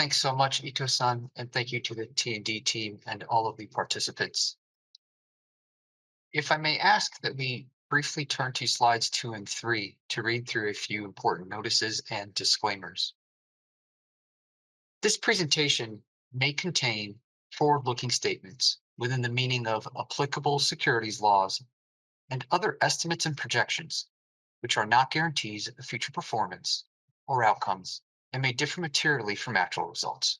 Thanks so much, Ito-san, and thank you to the T&D team and all of the participants. If I may ask that we briefly turn to slides two and three to read through a few important notices and disclaimers. This presentation may contain forward-looking statements within the meaning of applicable securities laws and other estimates and projections, which are not guarantees of future performance or outcomes and may differ materially from actual results.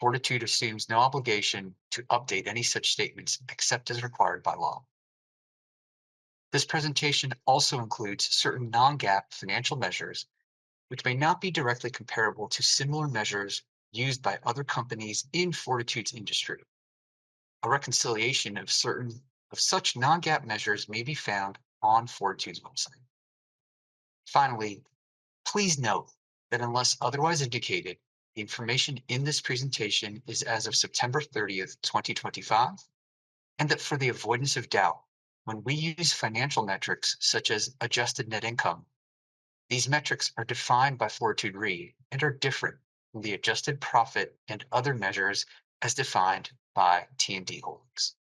Fortitude assumes no obligation to update any such statements except as required by law. This presentation also includes certain non-GAAP financial measures, which may not be directly comparable to similar measures used by other companies in Fortitude's industry. A reconciliation of such non-GAAP measures may be found on Fortitude's website. Finally, please note that unless otherwise indicated, the information in this presentation is as of September 30th, 2025, and that for the avoidance of doubt, when we use financial metrics such as adjusted net income, these metrics are defined by Fortitude Re and are different from the adjusted profit and other measures as defined by T&D Holdings.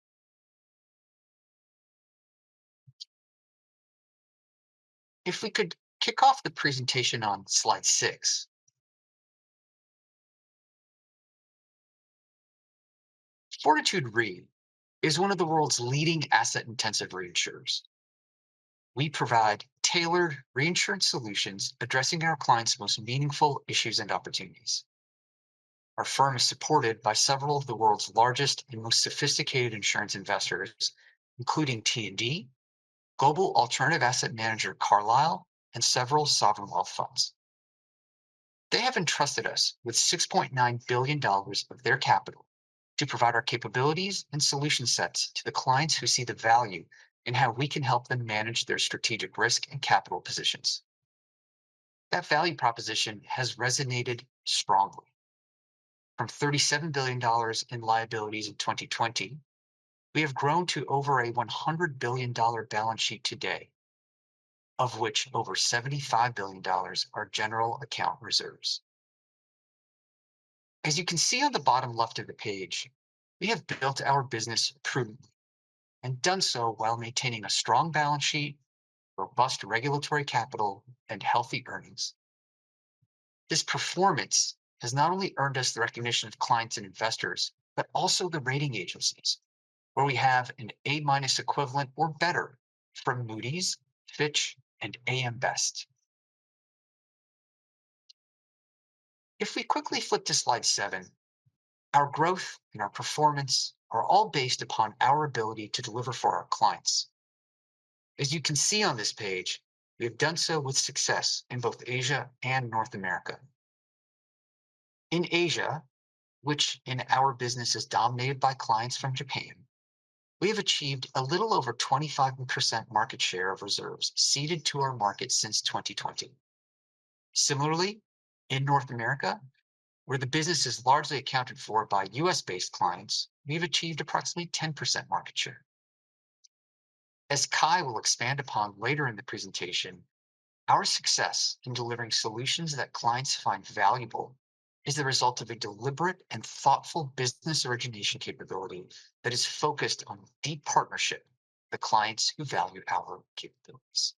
If we could kick off the presentation on slide six. Fortitude Re is one of the world's leading asset-intensive reinsurers. We provide tailored reinsurance solutions addressing our clients' most meaningful issues and opportunities. Our firm is supported by several of the world's largest and most sophisticated insurance investors, including T&D, Global Alternative Asset Manager Carlyle, and several sovereign wealth funds. They have entrusted us with $6.9 billion of their capital to provide our capabilities and solution sets to the clients who see the value in how we can help them manage their strategic risk and capital positions. That value proposition has resonated strongly. From $37 billion in liabilities in 2020, we have grown to over a $100 billion balance sheet today, of which over $75 billion are general account reserves. As you can see on the bottom left of the page, we have built our business prudently and done so while maintaining a strong balance sheet, robust regulatory capital, and healthy earnings. This performance has not only earned us the recognition of clients and investors, but also the rating agencies, where we have an A- equivalent or better from Moody's, Fitch, and AM Best. If we quickly flip to slide seven, our growth and our performance are all based upon our ability to deliver for our clients. As you can see on this page, we have done so with success in both Asia and North America. In Asia, which in our business is dominated by clients from Japan, we have achieved a little over 25% market share of reserves ceded to our market since 2020. Similarly, in North America, where the business is largely accounted for by U.S.-based clients, we've achieved approximately 10% market share. As Kai will expand upon later in the presentation, our success in delivering solutions that clients find valuable is the result of a deliberate and thoughtful business origination capability that is focused on deep partnership with clients who value our capabilities.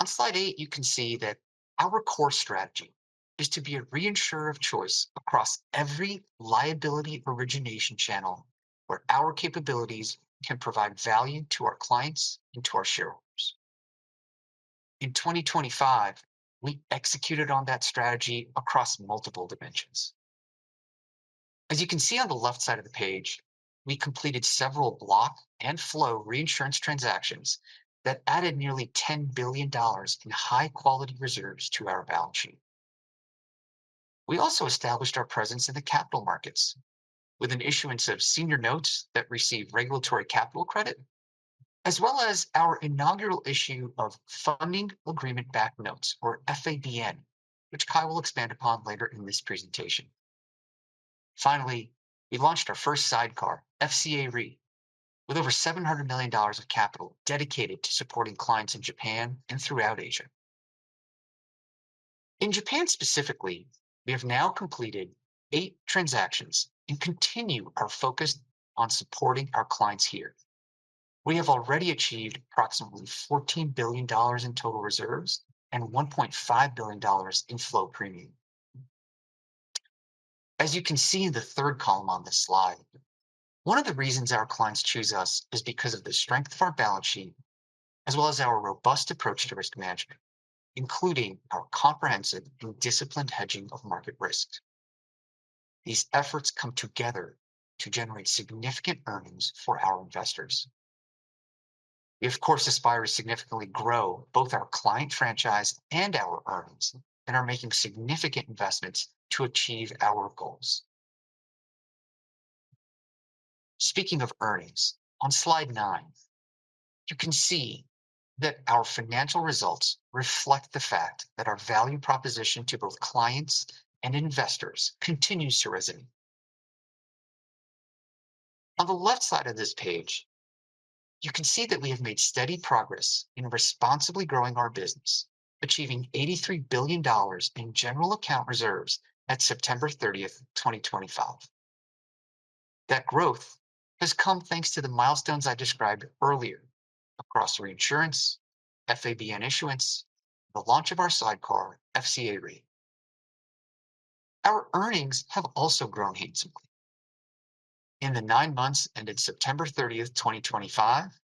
On slide eight, you can see that our core strategy is to be a reinsurer of choice across every liability origination channel where our capabilities can provide value to our clients and to our shareholders. In 2025, we executed on that strategy across multiple dimensions. As you can see on the left side of the page, we completed several block and flow reinsurance transactions that added nearly $10 billion in high-quality reserves to our balance sheet. We also established our presence in the capital markets with an issuance of senior notes that receive regulatory capital credit, as well as our inaugural issue of funding agreement-backed notes, or FABN, which Kai will expand upon later in this presentation. Finally, we launched our first sidecar, FCA Re, with over $700 million of capital dedicated to supporting clients in Japan and throughout Asia. In Japan specifically, we have now completed eight transactions and continue our focus on supporting our clients here. We have already achieved approximately $14 billion in total reserves and $1.5 billion in flow premium. As you can see in the third column on this slide, one of the reasons our clients choose us is because of the strength of our balance sheet, as well as our robust approach to risk management, including our comprehensive and disciplined hedging of market risk. These efforts come together to generate significant earnings for our investors. We, of course, aspire to significantly grow both our client franchise and our earnings and are making significant investments to achieve our goals. Speaking of earnings, on slide nine, you can see that our financial results reflect the fact that our value proposition to both clients and investors continues to resonate. On the left side of this page, you can see that we have made steady progress in responsibly growing our business, achieving $83 billion in general account reserves at September 30th, 2025. That growth has come thanks to the milestones I described earlier across reinsurance, FABN issuance, and the launch of our sidecar, FCA Re. Our earnings have also grown handsomely. In the nine months ended September 30th, 2025,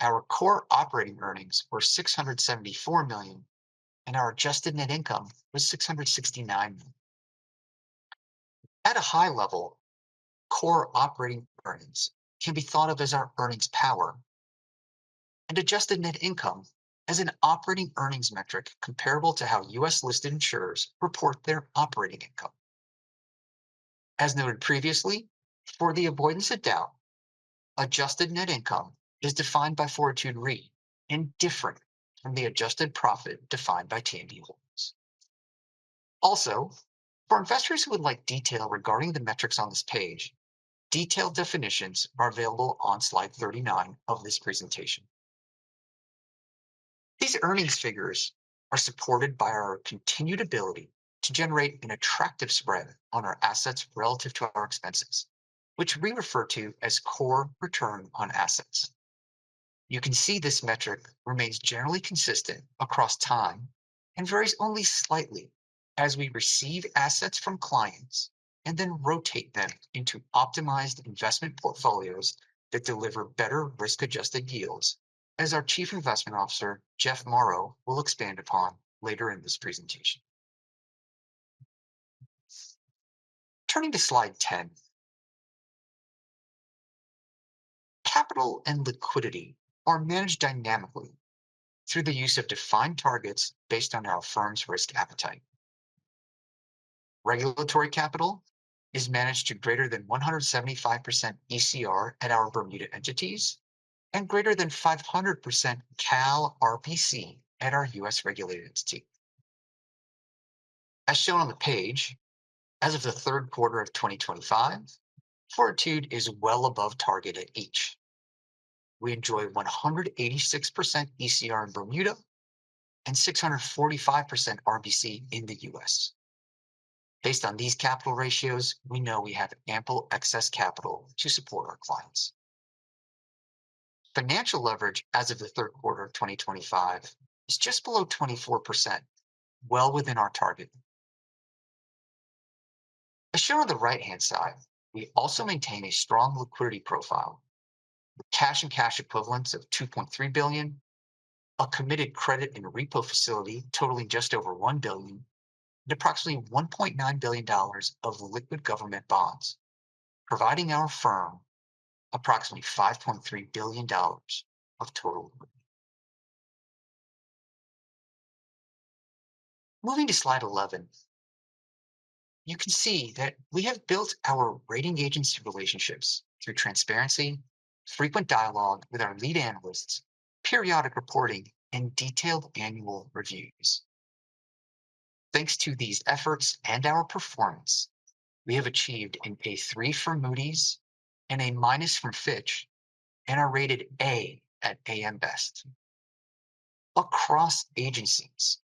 our core operating earnings were $674 million, and our adjusted net income was $669 million. At a high level, core operating earnings can be thought of as our earnings power and adjusted net income as an operating earnings metric comparable to how U.S.-listed insurers report their operating income. As noted previously, for the avoidance of doubt, adjusted net income is defined by Fortitude Re and different from the adjusted profit defined by T&D Holdings. Also, for investors who would like detail regarding the metrics on this page, detailed definitions are available on slide 39 of this presentation. These earnings figures are supported by our continued ability to generate an attractive spread on our assets relative to our expenses, which we refer to as core return on assets. You can see this metric remains generally consistent across time and varies only slightly as we receive assets from clients and then rotate them into optimized investment portfolios that deliver better risk-adjusted yields, as our Chief Investment Officer, Jeff Morrow, will expand upon later in this presentation. Turning to slide 10, capital and liquidity are managed dynamically through the use of defined targets based on our firm's risk appetite. Regulatory capital is managed to greater than 175% ECR at our Bermuda entities and greater than 500% CAL RBC at our U.S.-regulated entity. As shown on the page, as of the third quarter of 2025, Fortitude is well above target at each. We enjoy 186% ECR in Bermuda and 645% RBC in the U.S. Based on these capital ratios, we know we have ample excess capital to support our clients. Financial leverage as of the third quarter of 2025 is just below 24%, well within our target. As shown on the right-hand side, we also maintain a strong liquidity profile with cash and cash equivalents of $2.3 billion, a committed credit and repo facility totaling just over $1 billion, and approximately $1.9 billion of liquid government bonds, providing our firm approximately $5.3 billion of total liquidity. Moving to slide 11, you can see that we have built our rating agency relationships through transparency, frequent dialogue with our lead analysts, periodic reporting, and detailed annual reviews. Thanks to these efforts and our performance, we have achieved an A3 from Moody's and a minus from Fitch and are rated A at AM Best. Across agencies,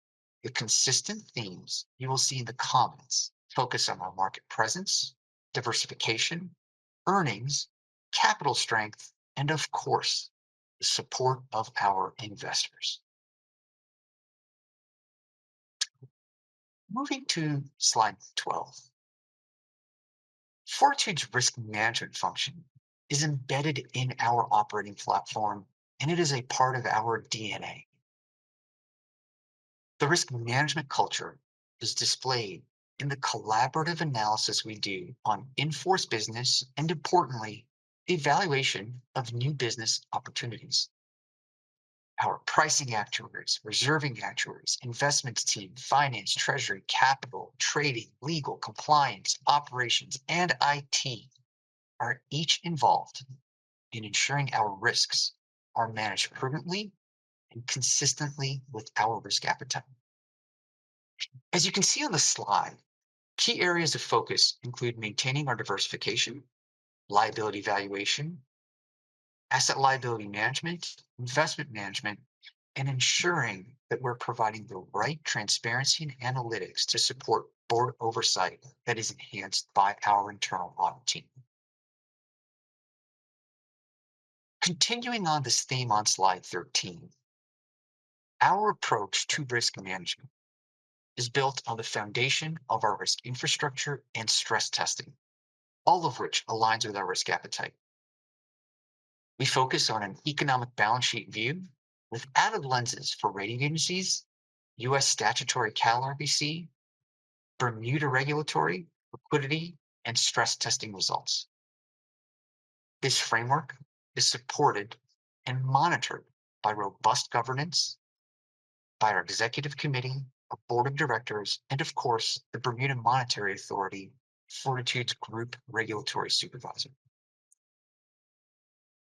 the consistent themes you will see in the comments focus on our market presence, diversification, earnings, capital strength, and of course, the support of our investors. Moving to slide 12, Fortitude's risk management function is embedded in our operating platform, and it is a part of our DNA. The risk management culture is displayed in the collaborative analysis we do on in-force business and, importantly, evaluation of new business opportunities. Our pricing actuaries, reserving actuaries, investment team, finance, treasury, capital, trading, legal, compliance, operations, and IT are each involved in ensuring our risks are managed prudently and consistently with our risk appetite. As you can see on the slide, key areas of focus include maintaining our diversification, liability valuation, asset liability management, investment management, and ensuring that we're providing the right transparency and analytics to support board oversight that is enhanced by our internal audit team. Continuing on this theme on slide 13, our approach to risk management is built on the foundation of our risk infrastructure and stress testing, all of which aligns with our risk appetite. We focus on an economic balance sheet view with added lenses for rating agencies, U.S. statutory CAL RBC, Bermuda regulatory, liquidity, and stress testing results. This framework is supported and monitored by robust governance by our executive committee, our board of directors, and of course, the Bermuda Monetary Authority, Fortitude's group regulatory supervisor.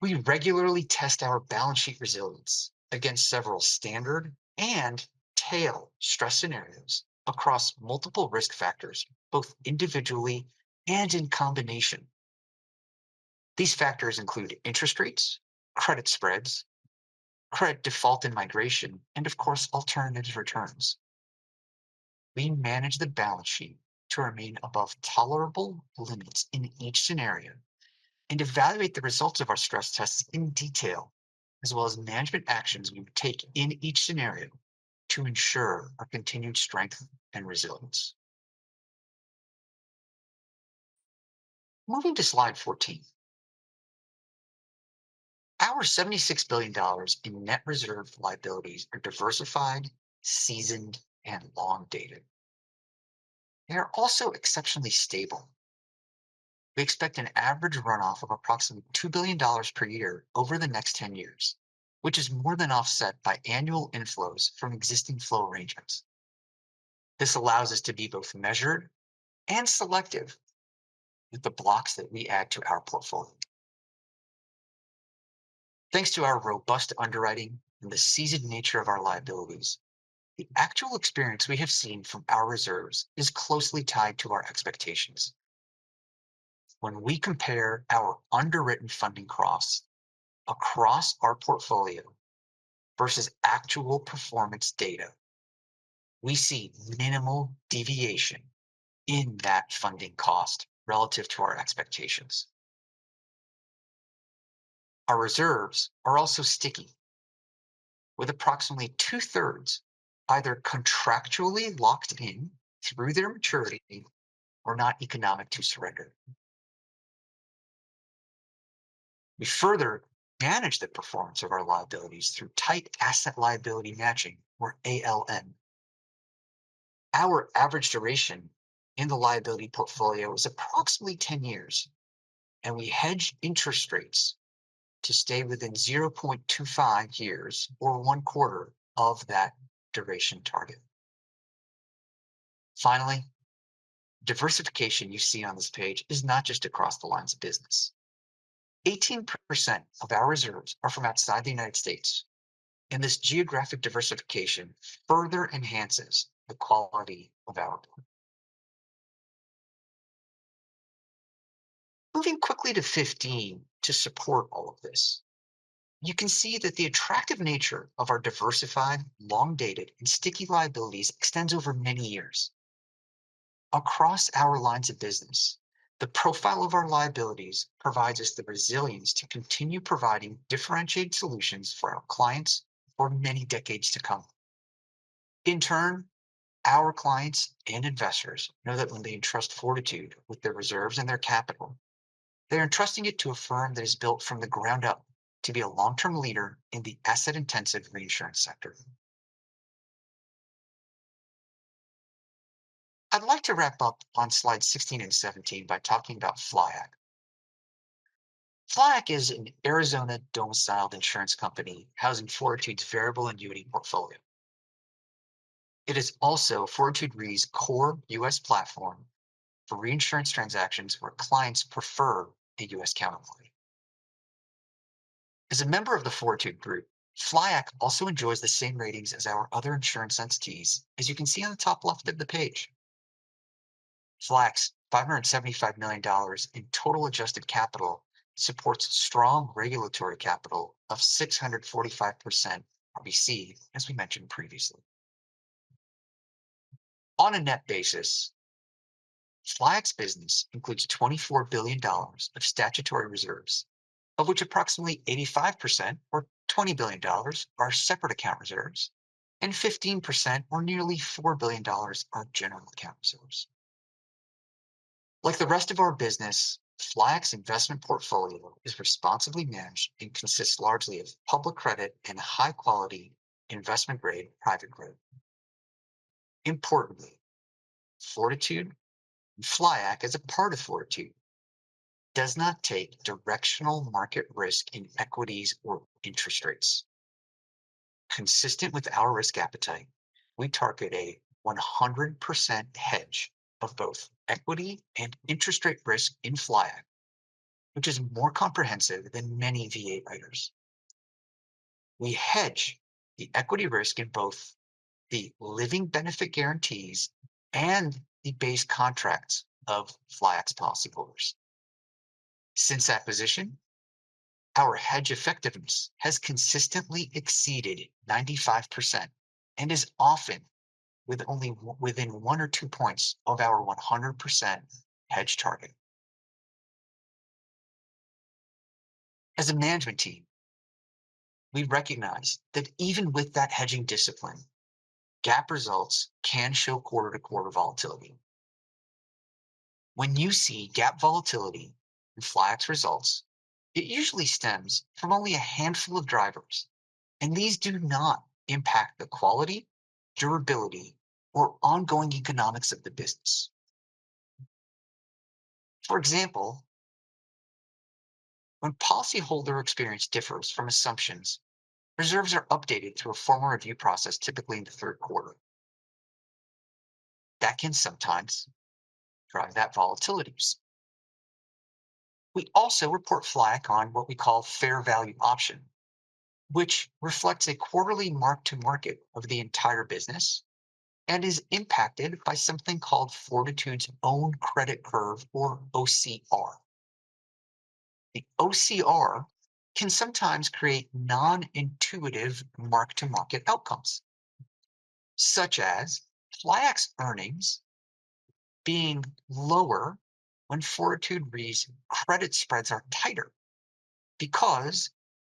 We regularly test our balance sheet resilience against several standard and tail stress scenarios across multiple risk factors, both individually and in combination. These factors include interest rates, credit spreads, credit default and migration, and of course, alternative returns. We manage the balance sheet to remain above tolerable limits in each scenario and evaluate the results of our stress tests in detail, as well as management actions we take in each scenario to ensure our continued strength and resilience. Moving to slide 14, our $76 billion in net reserve liabilities are diversified, seasoned, and long-dated. They are also exceptionally stable. We expect an average runoff of approximately $2 billion per year over the next 10 years, which is more than offset by annual inflows from existing flow arrangements. This allows us to be both measured and selective with the blocks that we add to our portfolio. Thanks to our robust underwriting and the seasoned nature of our liabilities, the actual experience we have seen from our reserves is closely tied to our expectations. When we compare our underwritten funding costs across our portfolio versus actual performance data, we see minimal deviation in that funding cost relative to our expectations. Our reserves are also sticky, with approximately two-thirds either contractually locked in through their maturity or not economic to surrender. We further manage the performance of our liabilities through tight asset liability matching, or ALM. Our average duration in the liability portfolio is approximately 10 years, and we hedge interest rates to stay within 0.25 years or one quarter of that duration target. Finally, diversification you see on this page is not just across the lines of business. 18% of our reserves are from outside the United States, and this geographic diversification further enhances the quality of our work. Moving quickly to 15 to support all of this, you can see that the attractive nature of our diversified, long-dated, and sticky liabilities extends over many years. Across our lines of business, the profile of our liabilities provides us the resilience to continue providing differentiated solutions for our clients for many decades to come. In turn, our clients and investors know that when they entrust Fortitude with their reserves and their capital, they're entrusting it to a firm that is built from the ground up to be a long-term leader in the asset-intensive reinsurance sector. I'd like to wrap up on slides 16 and 17 by talking about FLIAC. FLIAC is an Arizona-domiciled insurance company housing Fortitude's variable annuity portfolio. It is also Fortitude Re's core U.S. platform for reinsurance transactions where clients prefer a U.S. counterparty. As a member of the Fortitude Group, FLIAC also enjoys the same ratings as our other insurance entities, as you can see on the top left of the page. FLIAC's $575 million in total adjusted capital supports strong regulatory capital of 645% RBC, as we mentioned previously. On a net basis, FLIAC's business includes $24 billion of statutory reserves, of which approximately 85% or $20 billion are separate account reserves, and 15% or nearly $4 billion are general account reserves. Like the rest of our business, FLIAC's investment portfolio is responsibly managed and consists largely of public credit and high-quality investment-grade private credit. Importantly, Fortitude and FLIAC, as a part of Fortitude, does not take directional market risk in equities or interest rates. Consistent with our risk appetite, we target a 100% hedge of both equity and interest rate risk in FLIAC, which is more comprehensive than many VA writers. We hedge the equity risk in both the living benefit guarantees and the base contracts of FLIAC's policyholders. Since that position, our hedge effectiveness has consistently exceeded 95% and is often within one or two points of our 100% hedge target. As a management team, we recognize that even with that hedging discipline, GAAP results can show quarter-to-quarter volatility. When you see GAAP volatility in FLIAC's results, it usually stems from only a handful of drivers, and these do not impact the quality, durability, or ongoing economics of the business. For example, when policyholder experience differs from assumptions, reserves are updated through a formal review process, typically in the third quarter. That can sometimes drive that volatilities. We also report FLIAC on what we call Fair Value Option, which reflects a quarterly mark-to-market of the entire business and is impacted by something called Fortitude's Own Credit Risk, or OCR. The OCR can sometimes create non-intuitive mark-to-market outcomes, such as FLIAC's earnings being lower when Fortitude Re's credit spreads are tighter because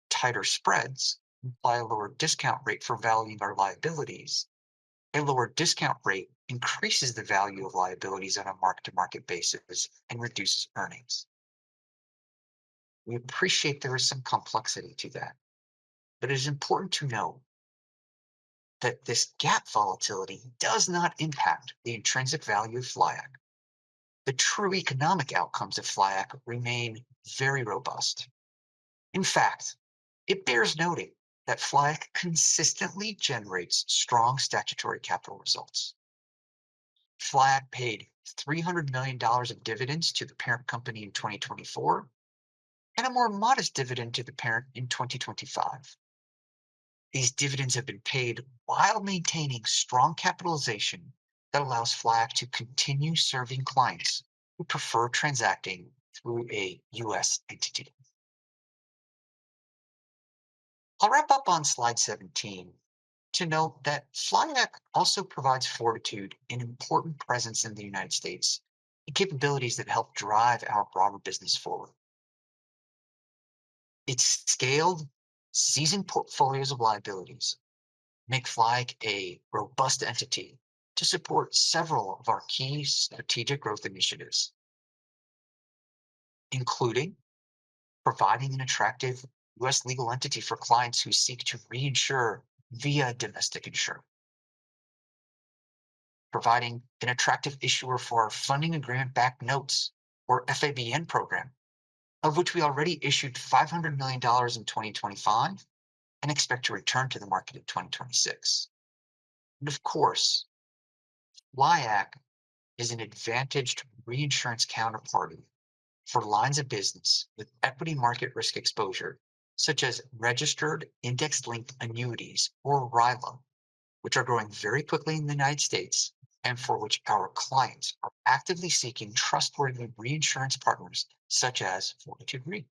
tighter spreads imply a lower discount rate for valuing our liabilities. A lower discount rate increases the value of liabilities on a mark-to-market basis and reduces earnings. We appreciate there is some complexity to that, but it is important to know that this GAAP volatility does not impact the intrinsic value of FLIAC. The true economic outcomes of FLIAC remain very robust. In fact, it bears noting that FLIAC consistently generates strong statutory capital results. FLIAC paid $300 million of dividends to the parent company in 2024 and a more modest dividend to the parent in 2025. These dividends have been paid while maintaining strong capitalization that allows FLIAC to continue serving clients who prefer transacting through a U.S. entity. I'll wrap up on slide 17 to note that FLIAC also provides Fortitude an important presence in the United States and capabilities that help drive our broader business forward. Its scaled, seasoned portfolios of liabilities make FLIAC a robust entity to support several of our key strategic growth initiatives, including providing an attractive U.S. legal entity for clients who seek to reinsure via domestic insurance, providing an attractive issuer for our funding agreement-backed notes, or FABN program, of which we already issued $500 million in 2025 and expect to return to the market in 2026. Of course, FLIAC is an advantaged reinsurance counterparty for lines of business with equity market risk exposure, such as registered index-linked annuities or RILA, which are growing very quickly in the United States and for which our clients are actively seeking trustworthy reinsurance partners, such as Fortitude Re.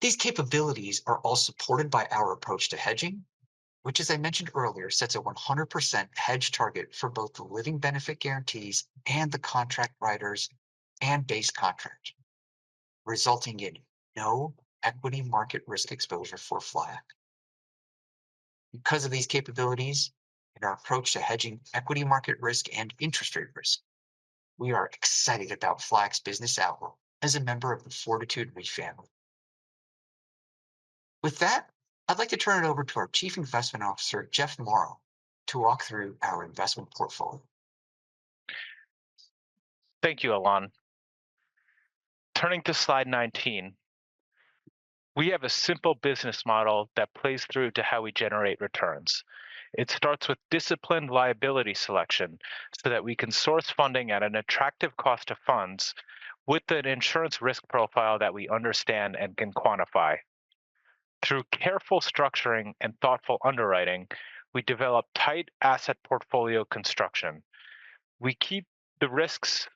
These capabilities are all supported by our approach to hedging, which, as I mentioned earlier, sets a 100% hedge target for both the living benefit guarantees and the contract writers and base contract, resulting in no equity market risk exposure for FLIAC. Because of these capabilities and our approach to hedging equity market risk and interest rate risk, we are excited about FLIAC's business outlook as a member of the Fortitude Re family. With that, I'd like to turn it over to our Chief Investment Officer, Jeff Morrow, to walk through our investment portfolio. Thank you, Alon. Turning to slide 19, we have a simple business model that plays through to how we generate returns. It starts with disciplined liability selection so that we can source funding at an attractive cost of funds with an insurance risk profile that we understand and can quantify. Through careful structuring and thoughtful underwriting, we develop tight asset portfolio construction. We keep the risks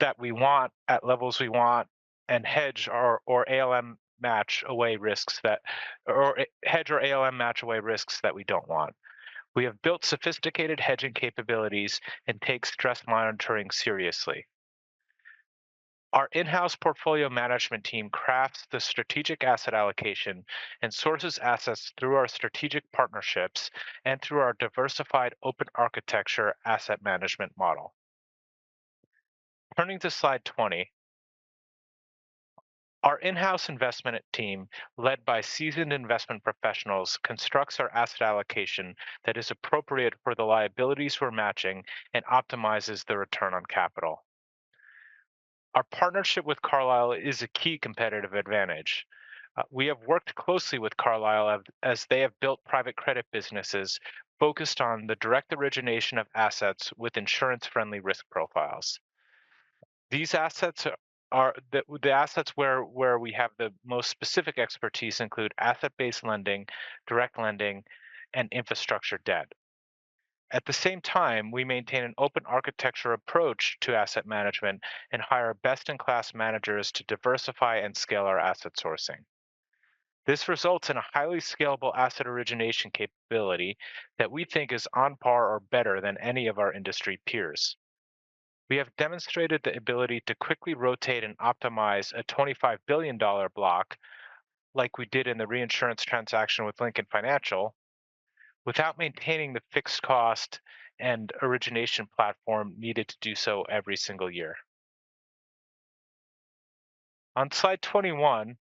that we want at levels we want and hedge or ALM match away risks that we don't want. We have built sophisticated hedging capabilities and take stress monitoring seriously. Our in-house portfolio management team crafts the strategic asset allocation and sources assets through our strategic partnerships and through our diversified open architecture asset management model. Turning to slide 20, our in-house investment team led by seasoned investment professionals constructs our asset allocation that is appropriate for the liabilities we're matching and optimizes the return on capital. Our partnership with Carlyle is a key competitive advantage. We have worked closely with Carlyle as they have built private credit businesses focused on the direct origination of assets with insurance-friendly risk profiles. These assets are the assets where we have the most specific expertise include asset-based lending, direct lending, and infrastructure debt. At the same time, we maintain an open architecture approach to asset management and hire best-in-class managers to diversify and scale our asset sourcing. This results in a highly scalable asset origination capability that we think is on par or better than any of our industry peers. We have demonstrated the ability to quickly rotate and optimize a $25 billion block like we did in the reinsurance transaction with Lincoln Financial without maintaining the fixed cost and origination platform needed to do so every single year. On slide 21,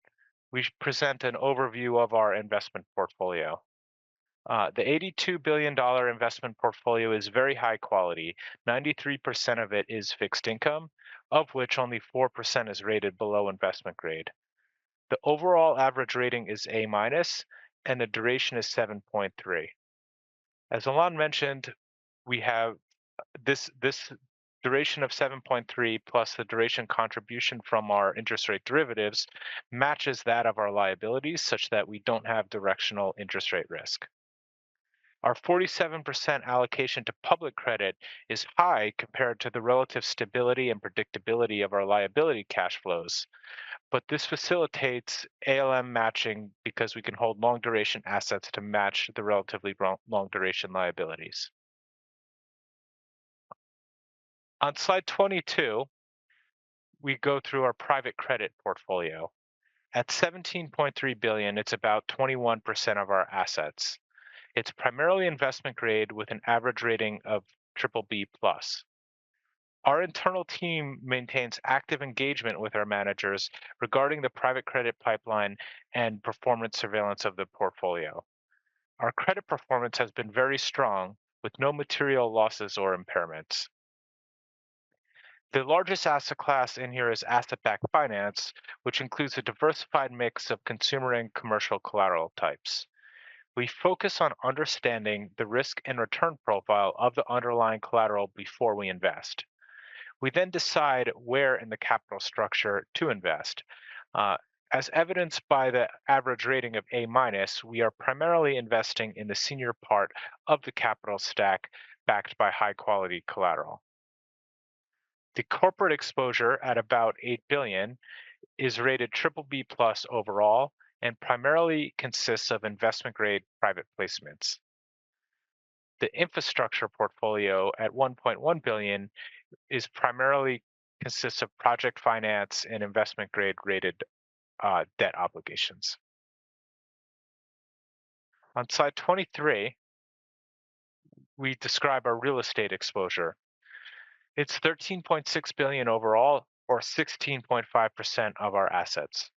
we present an overview of our investment portfolio. The $82 billion investment portfolio is very high quality. 93% of it is fixed income, of which only 4% is rated below investment grade. The overall average rating is A-, and the duration is 7.3. As Alon mentioned, we have this duration of 7.3 plus the duration contribution from our interest rate derivatives matches that of our liabilities such that we don't have directional interest rate risk. Our 47% allocation to public credit is high compared to the relative stability and predictability of our liability cash flows, but this facilitates ALM matching because we can hold long-duration assets to match the relatively long-duration liabilities. On slide 22, we go through our private credit portfolio. At $17.3 billion, it's about 21% of our assets. It's primarily investment grade with an average rating of BBB+. Our internal team maintains active engagement with our managers regarding the private credit pipeline and performance surveillance of the portfolio. Our credit performance has been very strong with no material losses or impairments. The largest asset class in here is asset-backed finance, which includes a diversified mix of consumer and commercial collateral types. We focus on understanding the risk and return profile of the underlying collateral before we invest. We then decide where in the capital structure to invest. As evidenced by the average rating of A-, we are primarily investing in the senior part of the capital stack backed by high-quality collateral. The corporate exposure at about $8 billion is rated BBB+ overall and primarily consists of investment-grade private placements. The infrastructure portfolio at $1.1 billion primarily consists of project finance and investment-grade rated debt obligations. On slide 23, we describe our real estate exposure. It's $13.6 billion overall, or 16.5% of our assets.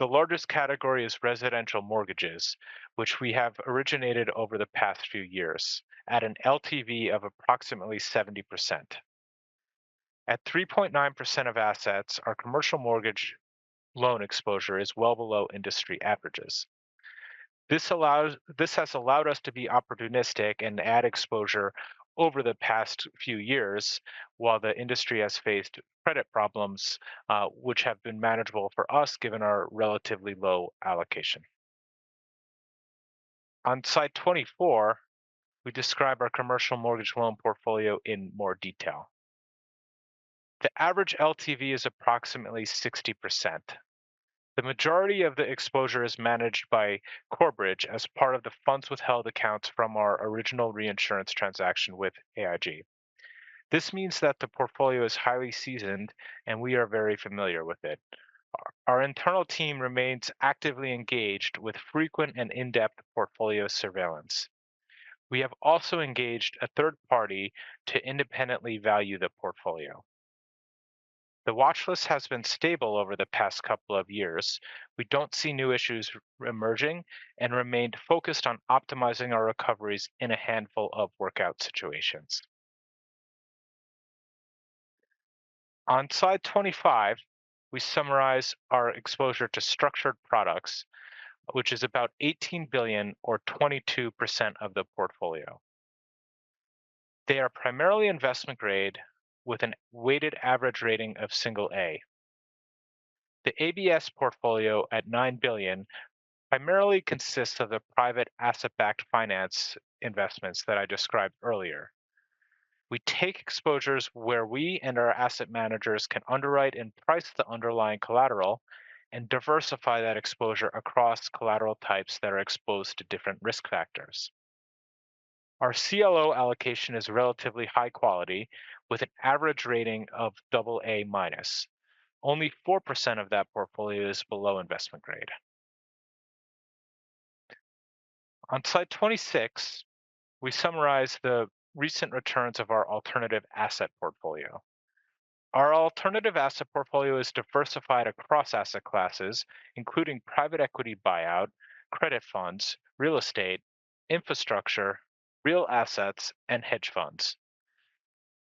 The largest category is residential mortgages, which we have originated over the past few years at an LTV of approximately 70%. At 3.9% of assets, our commercial mortgage loan exposure is well below industry averages. This has allowed us to be opportunistic and add exposure over the past few years while the industry has faced credit problems, which have been manageable for us given our relatively low allocation. On slide 24, we describe our commercial mortgage loan portfolio in more detail. The average LTV is approximately 60%. The majority of the exposure is managed by Corebridge as part of the funds withheld accounts from our original reinsurance transaction with AIG. This means that the portfolio is highly seasoned and we are very familiar with it. Our internal team remains actively engaged with frequent and in-depth portfolio surveillance. We have also engaged a third party to independently value the portfolio. The watchlist has been stable over the past couple of years. We don't see new issues emerging and remained focused on optimizing our recoveries in a handful of workout situations. On slide 25, we summarize our exposure to structured products, which is about $18 billion, or 22% of the portfolio. They are primarily investment grade with a weighted average rating of single A. The ABS portfolio at $9 billion primarily consists of the private asset-backed finance investments that I described earlier. We take exposures where we and our asset managers can underwrite and price the underlying collateral and diversify that exposure across collateral types that are exposed to different risk factors. Our CLO allocation is relatively high quality with an average rating of AA-. Only 4% of that portfolio is below investment grade. On slide 26, we summarize the recent returns of our alternative asset portfolio. Our alternative asset portfolio is diversified across asset classes, including private equity buyout, credit funds, real estate, infrastructure, real assets, and hedge funds.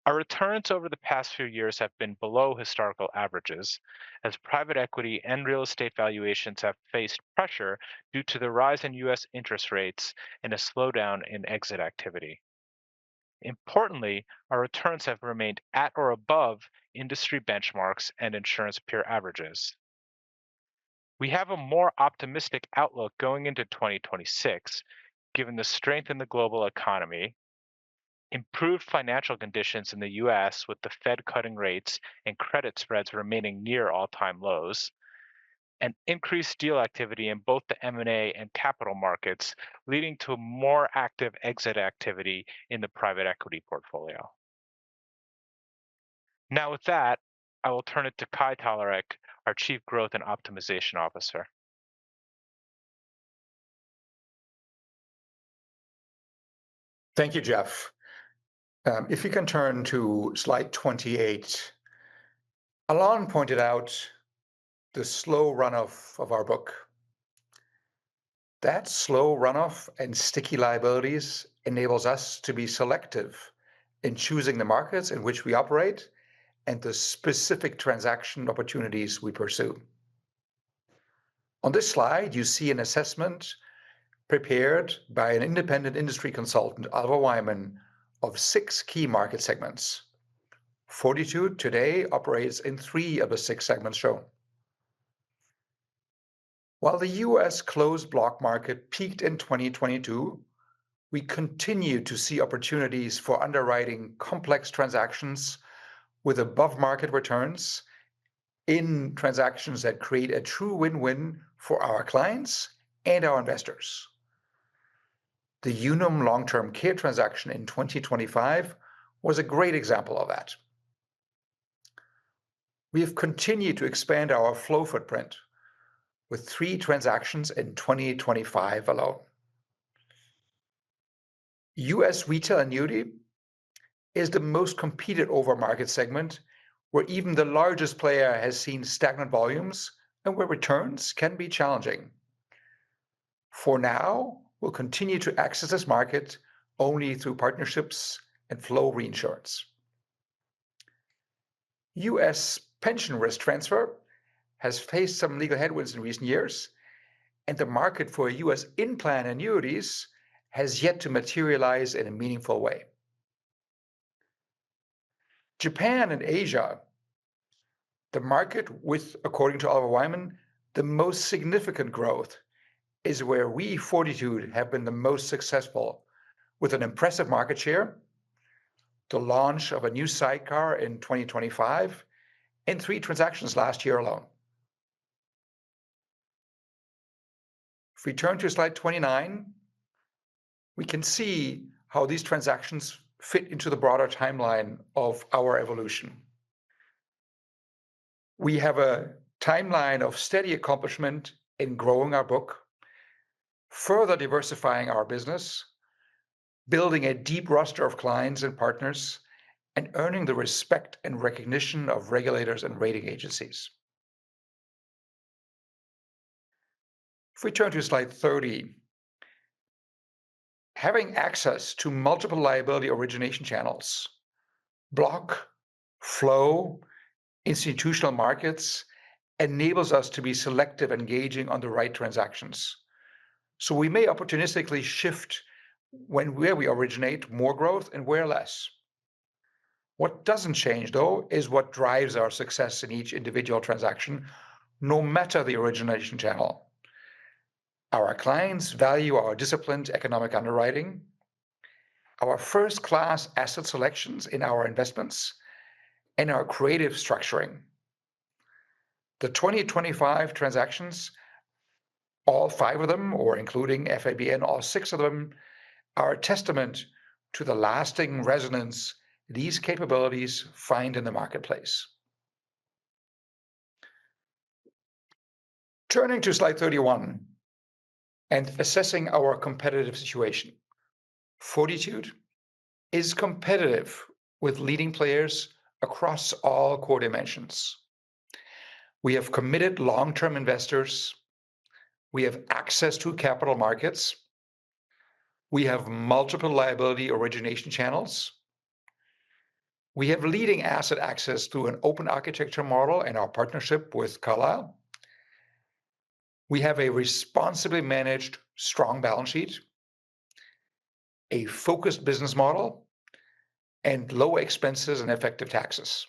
Our returns over the past few years have been below historical averages as private equity and real estate valuations have faced pressure due to the rise in U.S. interest rates and a slowdown in exit activity. Importantly, our returns have remained at or above industry benchmarks and insurance peer averages. We have a more optimistic outlook going into 2026 given the strength in the global economy, improved financial conditions in the U.S. with the Fed cutting rates and credit spreads remaining near all-time lows, and increased deal activity in both the M&A and capital markets, leading to more active exit activity in the private equity portfolio. Now with that, I will turn it to Kai Talarek, our Chief Growth and Optimization Officer. Thank you, Jeff. If you can turn to slide 28, Alon pointed out the slow runoff of our book. That slow runoff and sticky liabilities enables us to be selective in choosing the markets in which we operate and the specific transaction opportunities we pursue. On this slide, you see an assessment prepared by an independent industry consultant, Oliver Wyman, of six key market segments. Fortitude today operates in three of the six segments shown. While the U.S. closed block market peaked in 2022, we continue to see opportunities for underwriting complex transactions with above-market returns in transactions that create a true win-win for our clients and our investors. The Unum Long-Term Care transaction in 2025 was a great example of that. We have continued to expand our flow footprint with three transactions in 2025 alone. U.S. retail annuity is the most competed over-market segment where even the largest player has seen stagnant volumes and where returns can be challenging. For now, we'll continue to access this market only through partnerships and flow reinsurance. U.S. pension risk transfer has faced some legal headwinds in recent years, and the market for U.S. In-plan annuities has yet to materialize in a meaningful way. Japan and Asia, the market with, according to Oliver Wyman, the most significant growth is where we Fortitude have been the most successful with an impressive market share, the launch of a new sidecar in 2025, and three transactions last year alone. If we turn to slide 29, we can see how these transactions fit into the broader timeline of our evolution. We have a timeline of steady accomplishment in growing our book, further diversifying our business, building a deep roster of clients and partners, and earning the respect and recognition of regulators and rating agencies. If we turn to slide 30, having access to multiple liability origination channels, block, flow, institutional markets enables us to be selective and engaging on the right transactions. So we may opportunistically shift when where we originate more growth and where less. What doesn't change, though, is what drives our success in each individual transaction, no matter the origination channel. Our clients value our disciplined economic underwriting, our first-class asset selections in our investments, and our creative structuring. The 2025 transactions, all five of them or including FABN, all six of them are a testament to the lasting resonance these capabilities find in the marketplace. Turning to slide 31 and assessing our competitive situation, Fortitude is competitive with leading players across all core dimensions. We have committed long-term investors. We have access to capital markets. We have multiple liability origination channels. We have leading asset access through an open architecture model and our partnership with Carlyle. We have a responsibly managed strong balance sheet, a focused business model, and low expenses and effective taxes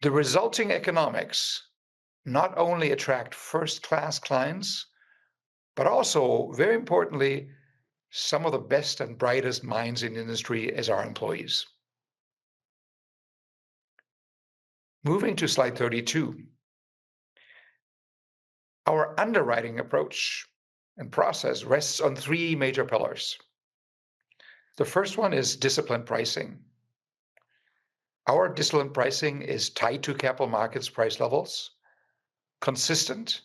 The resulting economics not only attract first-class clients, but also, very importantly, some of the best and brightest minds in the industry as our employees. Moving to slide 32, our underwriting approach and process rests on three major pillars. The first one is discipline pricing. Our discipline pricing is tied to capital markets price levels, consistent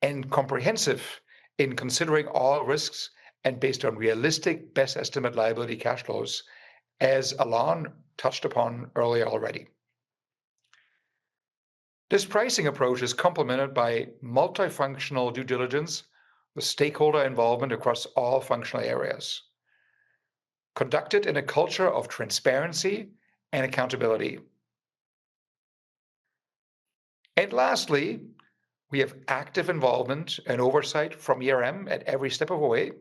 and comprehensive in considering all risks and based on realistic best estimate liability cash flows, as Alon touched upon earlier already. This pricing approach is complemented by multifunctional due diligence with stakeholder involvement across all functional areas, conducted in a culture of transparency and accountability, and lastly, we have active involvement and oversight from at every step of the way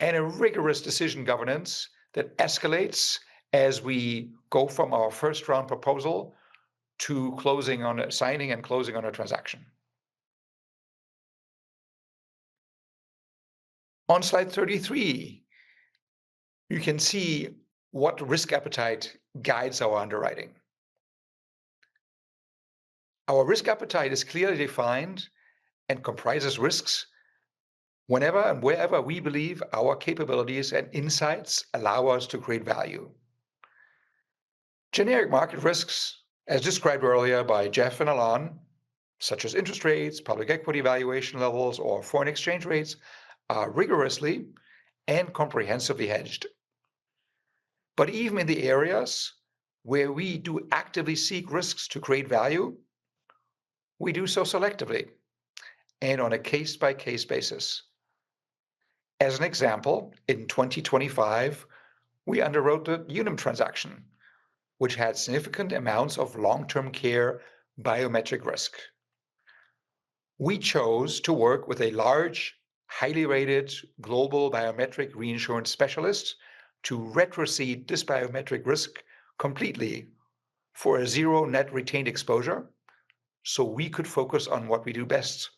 and a rigorous decision governance that escalates as we go from our first round proposal to signing and closing on a transaction. On slide 33, you can see what risk appetite guides our underwriting. Our risk appetite is clearly defined and comprises risks whenever and wherever we believe our capabilities and insights allow us to create value. Generic market risks, as described earlier by Jeff and Alon, such as interest rates, public equity valuation levels, or foreign exchange rates, are rigorously and comprehensively hedged. But even in the areas where we do actively seek risks to create value, we do so selectively and on a case-by-case basis. As an example, in 2025, we underwrote the Unum transaction, which had significant amounts of long-term care biometric risk. We chose to work with a large, highly rated global biometric reinsurance specialist to retroceed this biometric risk completely for a zero net retained exposure so we could focus on what we do best,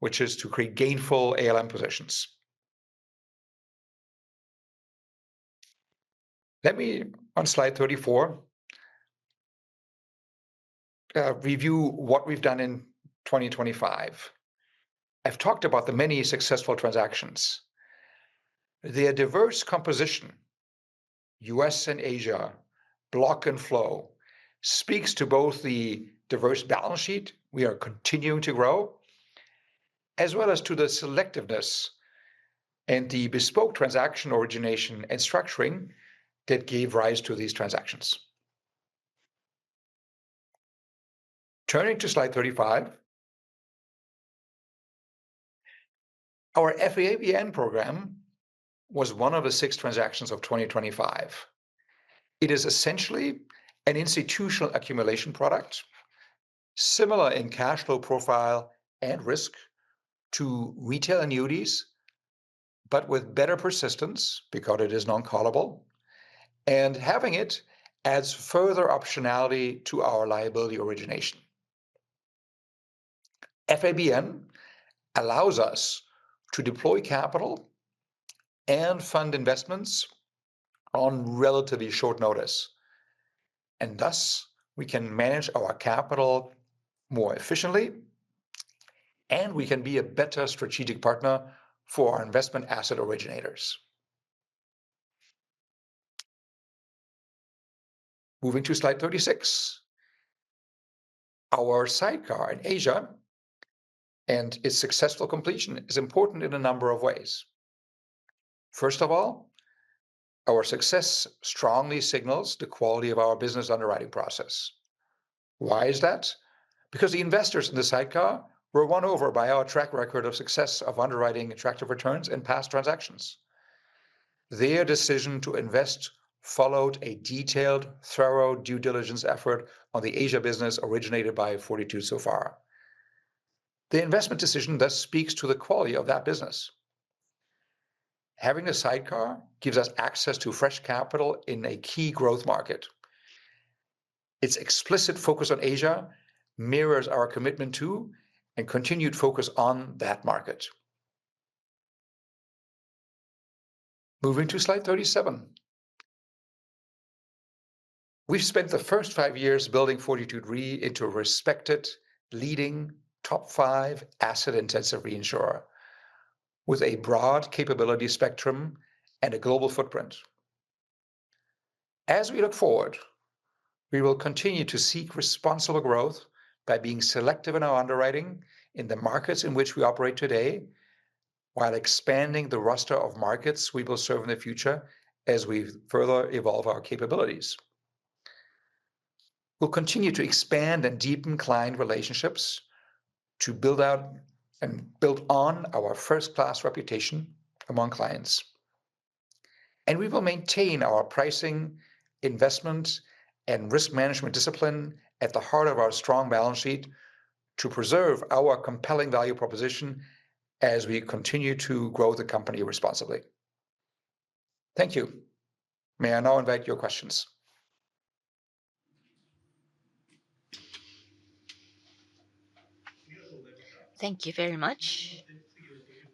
which is to create gainful ALM positions. Let me, on slide 34, review what we've done in 2025. I've talked about the many successful transactions. The diverse composition, U.S. and Asia, block and flow, speaks to both the diverse balance sheet we are continuing to grow, as well as to the selectiveness and the bespoke transaction origination and structuring that gave rise to these transactions. Turning to slide 35, our FABN program was one of the six transactions of 2025. It is essentially an institutional accumulation product, similar in cash flow profile and risk to retail annuities, but with better persistence because it is non-callable, and having it adds further optionality to our liability origination. FABN allows us to deploy capital and fund investments on relatively short notice, and thus we can manage our capital more efficiently, and we can be a better strategic partner for our investment asset originators. Moving to slide 36, our sidecar in Asia and its successful completion is important in a number of ways. First of all, our success strongly signals the quality of our business underwriting process. Why is that? Because the investors in the sidecar were won over by our track record of success of underwriting attractive returns in past transactions. Their decision to invest followed a detailed, thorough due diligence effort on the Asia business originated by Fortitude so far. The investment decision thus speaks to the quality of that business. Having a sidecar gives us access to fresh capital in a key growth market. Its explicit focus on Asia mirrors our commitment to and continued focus on that market. Moving to slide 37, we've spent the first five years building Fortitude Re into a respected, leading, top-five asset-intensive reinsurer with a broad capability spectrum and a global footprint. As we look forward, we will continue to seek responsible growth by being selective in our underwriting in the markets in which we operate today, while expanding the roster of markets we will serve in the future as we further evolve our capabilities. We'll continue to expand and deepen client relationships to build out and build on our first-class reputation among clients. And we will maintain our pricing, investment, and risk management discipline at the heart of our strong balance sheet to preserve our compelling value proposition as we continue to grow the company responsibly. Thank you. May I now invite your questions? Thank you very much.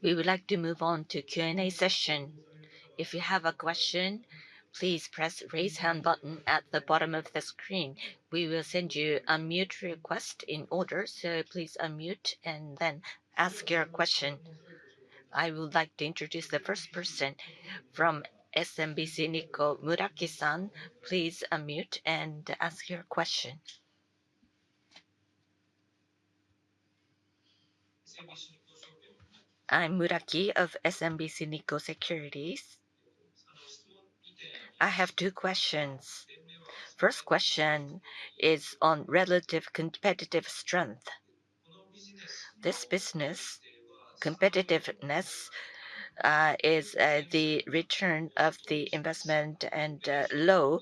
We would like to move on to Q&A session. If you have a question, please press the raise hand button at the bottom of the screen. We will send you a mute request in order, so please unmute and then ask your question. I would like to introduce the first person from SMBC Nikko Muraki-san. Please unmute and ask your question. I'm Muraki of SMBC Nikko Securities. I have two questions. First question is on relative competitive strength. This business, competitiveness, is the return of the investment and low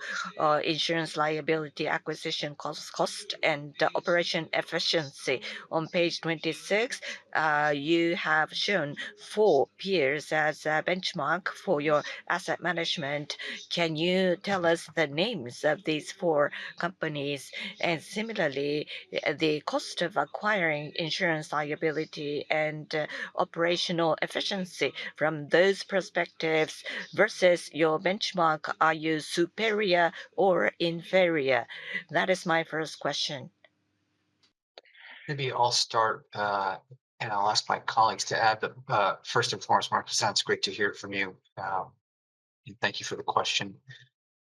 insurance liability acquisition cost and operational efficiency. On page 26, you have shown four peers as a benchmark for your asset management. Can you tell us the names of these four companies? And similarly, the cost of acquiring insurance liability and operational efficiency from those perspectives versus your benchmark, are you superior or inferior? That is my first question. Maybe I'll start, and I'll ask my colleagues to add that first and foremost, Muraki, it's great to hear from you. And thank you for the question.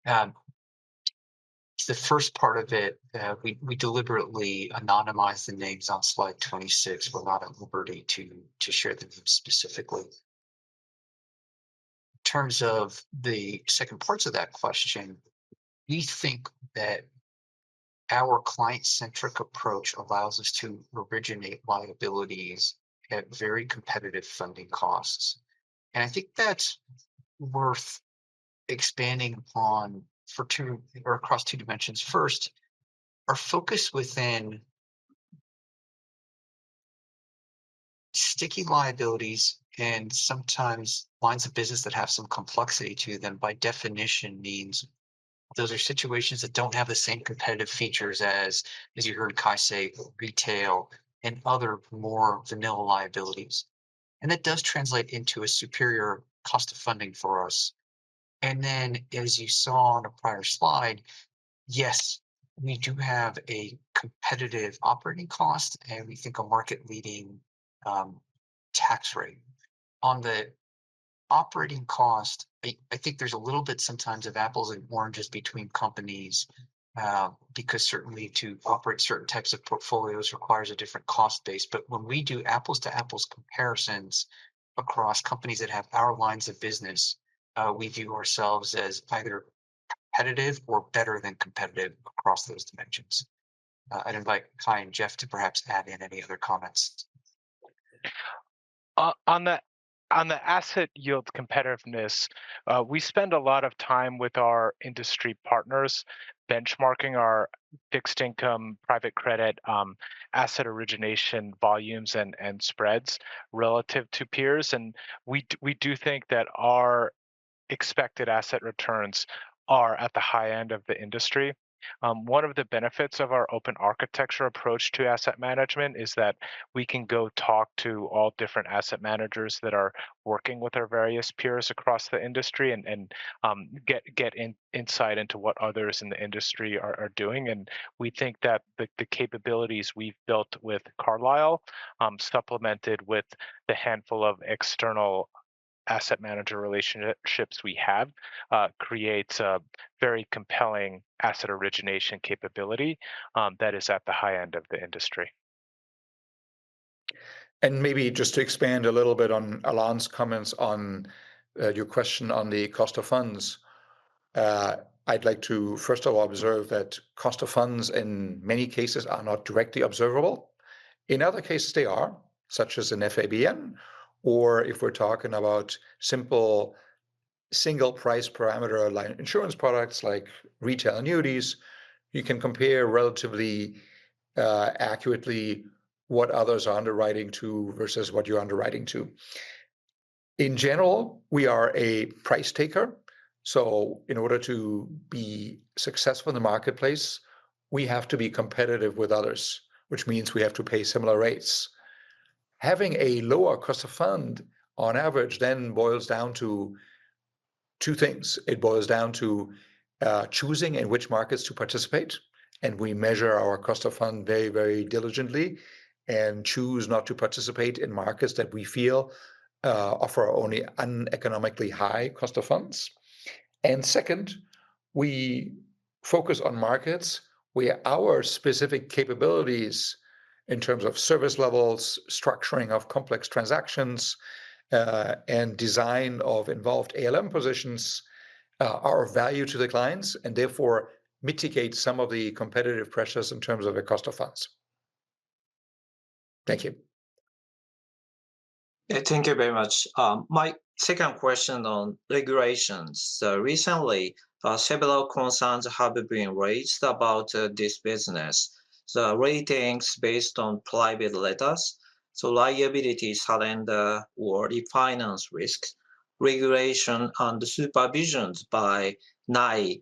The first part of it, we deliberately anonymized the names on slide 26. We're not at liberty to share the names specifically. In terms of the second parts of that question, we think that our client-centric approach allows us to originate liabilities at very competitive funding costs. And I think that's worth expanding upon across two dimensions. First, our focus within sticky liabilities and sometimes lines of business that have some complexity to them by definition means those are situations that don't have the same competitive features as, as you heard Kai say, retail and other more vanilla liabilities. And that does translate into a superior cost of funding for us. And then, as you saw on a prior slide, yes, we do have a competitive operating cost, and we think a market-leading tax rate. On the operating cost, I think there's a little bit sometimes of apples and oranges between companies because certainly to operate certain types of portfolios requires a different cost base. But when we do apples-to-apples comparisons across companies that have our lines of business, we view ourselves as either competitive or better than competitive across those dimensions. I'd invite Kai and Jeff to perhaps add in any other comments. On the asset yield competitiveness, we spend a lot of time with our industry partners benchmarking our fixed income private credit asset origination volumes and spreads relative to peers. And we do think that our expected asset returns are at the high end of the industry. One of the benefits of our open architecture approach to asset management is that we can go talk to all different asset managers that are working with our various peers across the industry and get insight into what others in the industry are doing. And we think that the capabilities we've built with Carlyle, supplemented with the handful of external asset manager relationships we have, creates a very compelling asset origination capability that is at the high end of the industry. And maybe just to expand a little bit on Alon's comments on your question on the cost of funds, I'd like to first of all observe that cost of funds in many cases are not directly observable. In other cases, they are, such as in FABN, or if we're talking about simple single price parameter aligned insurance products like retail annuities, you can compare relatively accurately what others are underwriting to versus what you're underwriting to. In general, we are a price taker. So in order to be successful in the marketplace, we have to be competitive with others, which means we have to pay similar rates. Having a lower cost of fund on average then boils down to two things. It boils down to choosing in which markets to participate, and we measure our cost of fund very, very diligently and choose not to participate in markets that we feel offer only uneconomically high cost of funds. And second, we focus on markets where our specific capabilities in terms of service levels, structuring of complex transactions, and design of involved ALM positions are of value to the clients and therefore mitigate some of the competitive pressures in terms of the cost of funds. Thank you. Thank you very much. My second question on regulations. So recently, several concerns have been raised about this business. So ratings based on private letters, so liability surrender or refinance risk, regulation and supervision by NAIC,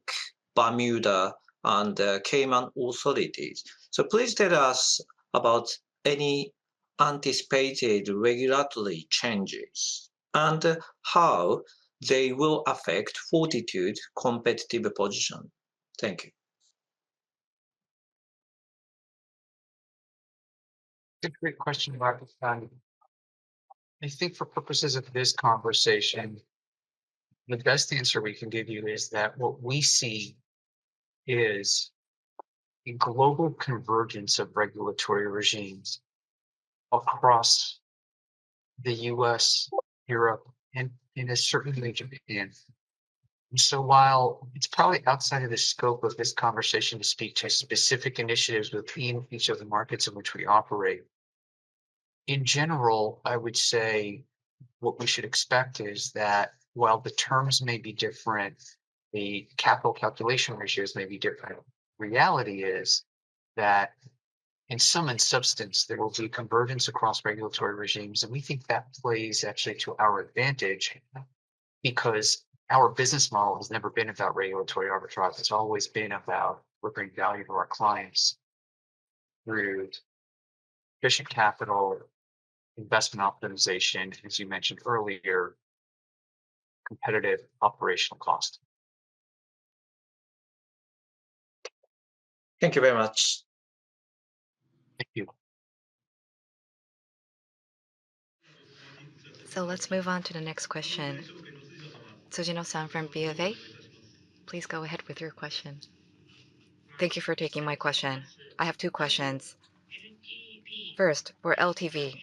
Bermuda, and Cayman Authorities. So please tell us about any anticipated regulatory changes and how they will affect Fortitude's competitive position. Thank you. That's a great question, Muraki-san. I think for purposes of this conversation, the best answer we can give you is that what we see is a global convergence of regulatory regimes across the U.S., Europe, and in a certain region. And so while it's probably outside of the scope of this conversation to speak to specific initiatives within each of the markets in which we operate, in general, I would say what we should expect is that while the terms may be different, the capital calculation ratios may be different. Reality is that in sum and substance, there will be convergence across regulatory regimes. And we think that plays actually to our advantage because our business model has never been about regulatory arbitrage. It's always been about we're bringing value to our clients through efficient capital, investment optimization, as you mentioned earlier, competitive operational cost. Thank you very much. Thank you. So let's move on to the next question. Susan Osan from BFA. Please go ahead with your question. Thank you for taking my question. I have two questions. First, for LTV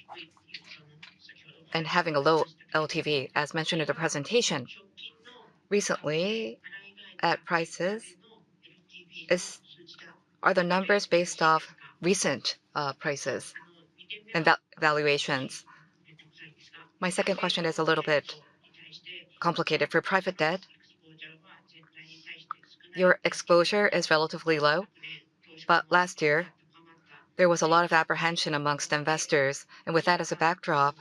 and having a low LTV, as mentioned in the presentation, recently at prices, are the numbers based off recent prices and valuations? My second question is a little bit complicated. For private debt, your exposure is relatively low, but last year, there was a lot of apprehension among investors. And with that as a backdrop,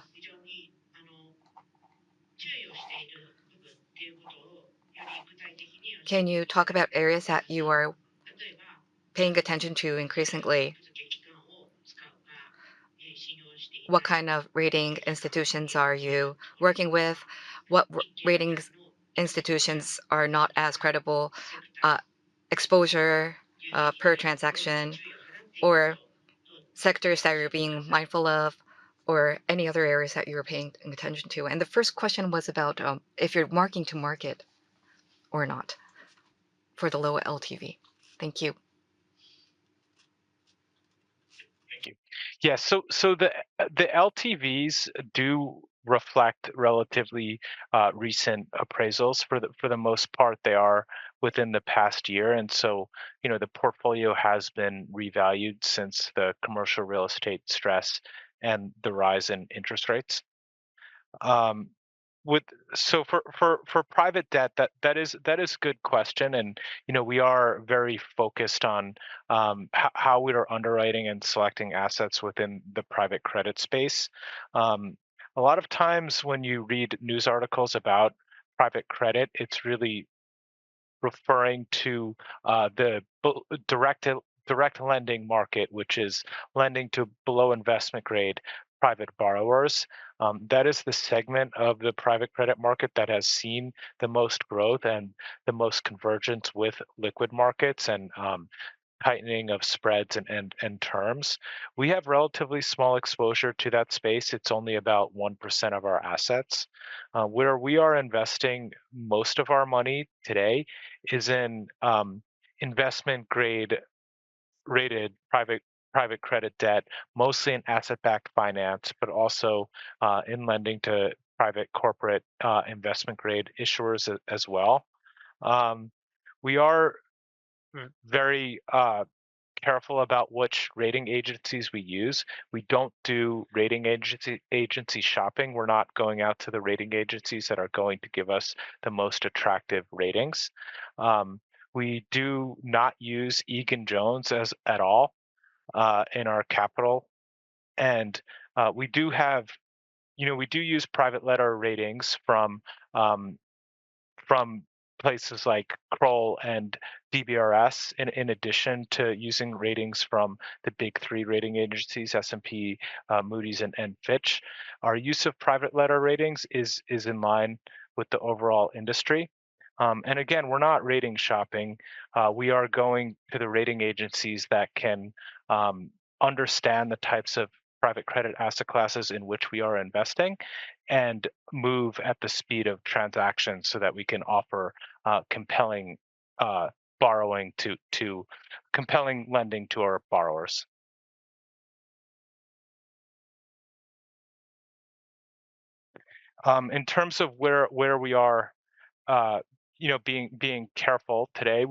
can you talk about areas that you are paying attention to increasingly? What kind of rating institutions are you working with? What ratings institutions are not as credible? Exposure per transaction or sectors that you're being mindful of or any other areas that you're paying attention to? And the first question was about if you're marking to market or not for the lower LTV. Thank you. Thank you. Yeah. So the LTVs do reflect relatively recent appraisals. For the most part, they are within the past year. And so the portfolio has been revalued since the commercial real estate stress and the rise in interest rates. So for private debt, that is a good question. And we are very focused on how we are underwriting and selecting assets within the private credit space. A lot of times when you read news articles about private credit, it's really referring to the direct lending market, which is lending to below investment-grade private borrowers. That is the segment of the private credit market that has seen the most growth and the most convergence with liquid markets and tightening of spreads and terms. We have relatively small exposure to that space. It's only about 1% of our assets. Where we are investing most of our money today is in investment-grade rated private credit debt, mostly in asset-backed finance, but also in lending to private corporate investment-grade issuers as well. We are very careful about which rating agencies we use. We don't do rating agency shopping. We're not going out to the rating agencies that are going to give us the most attractive ratings. We do not use Egan-Jones at all in our capital. And we do use private letter ratings from places like Kroll and DBRS in addition to using ratings from the big three rating agencies, S&P, Moody's, and Fitch. Our use of private letter ratings is in line with the overall industry. And again, we're not rating shopping. We are going to the rating agencies that can understand the types of private credit asset classes in which we are investing and move at the speed of transactions so that we can offer compelling borrowing to compelling lending to our borrowers. In terms of where we are being careful today,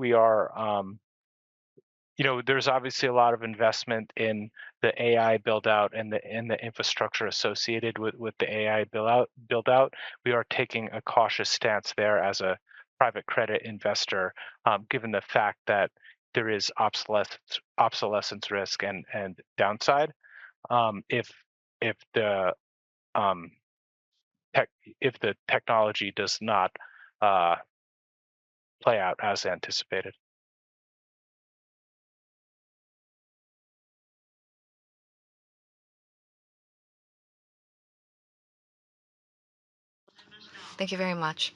there's obviously a lot of investment in the AI build-out and the infrastructure associated with the AI build-out. We are taking a cautious stance there as a private credit investor, given the fact that there is obsolescence risk and downside if the technology does not play out as anticipated. Thank you very much.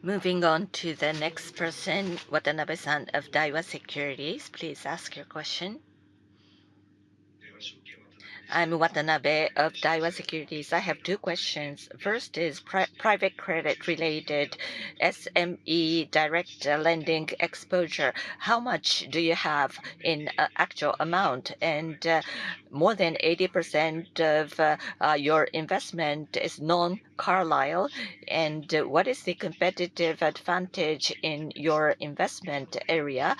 Moving on to the next person, Watanabe-san of Daiwa Securities. Please ask your question. I'm Watanabe of Daiwa Securities. I have two questions. First is private credit-related SME direct lending exposure. How much do you have in actual amount? And more than 80% of your investment is non-Carlyle. And what is the competitive advantage in your investment area?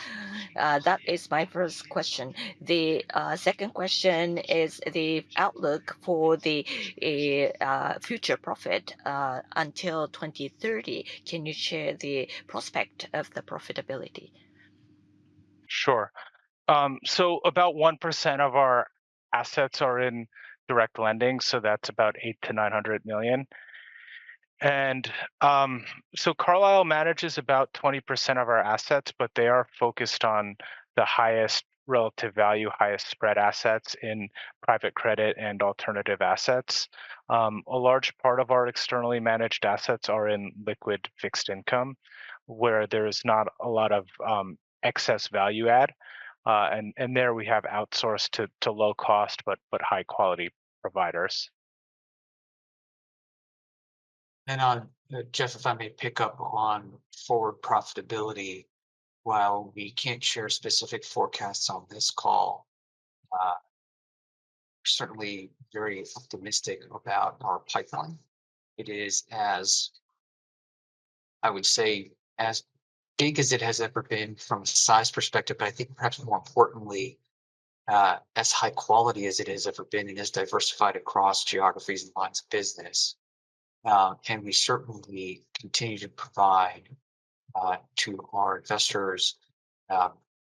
That is my first question. The second question is the outlook for the future profit until 2030. Can you share the prospect of the profitability? Sure. About 1% of our assets are in direct lending. That's about $800 million-$900 million. Carlyle manages about 20% of our assets, but they are focused on the highest relative value, highest spread assets in private credit and alternative assets. A large part of our externally managed assets are in liquid fixed income where there is not a lot of excess value add. There we have outsourced to low-cost but high-quality providers. Just if I may pick up on forward profitability, while we can't share specific forecasts on this call, we're certainly very optimistic about our pipeline. It is, I would say, as big as it has ever been from a size perspective, but I think perhaps more importantly, as high quality as it has ever been and as diversified across geographies and lines of business. We certainly continue to provide to our investors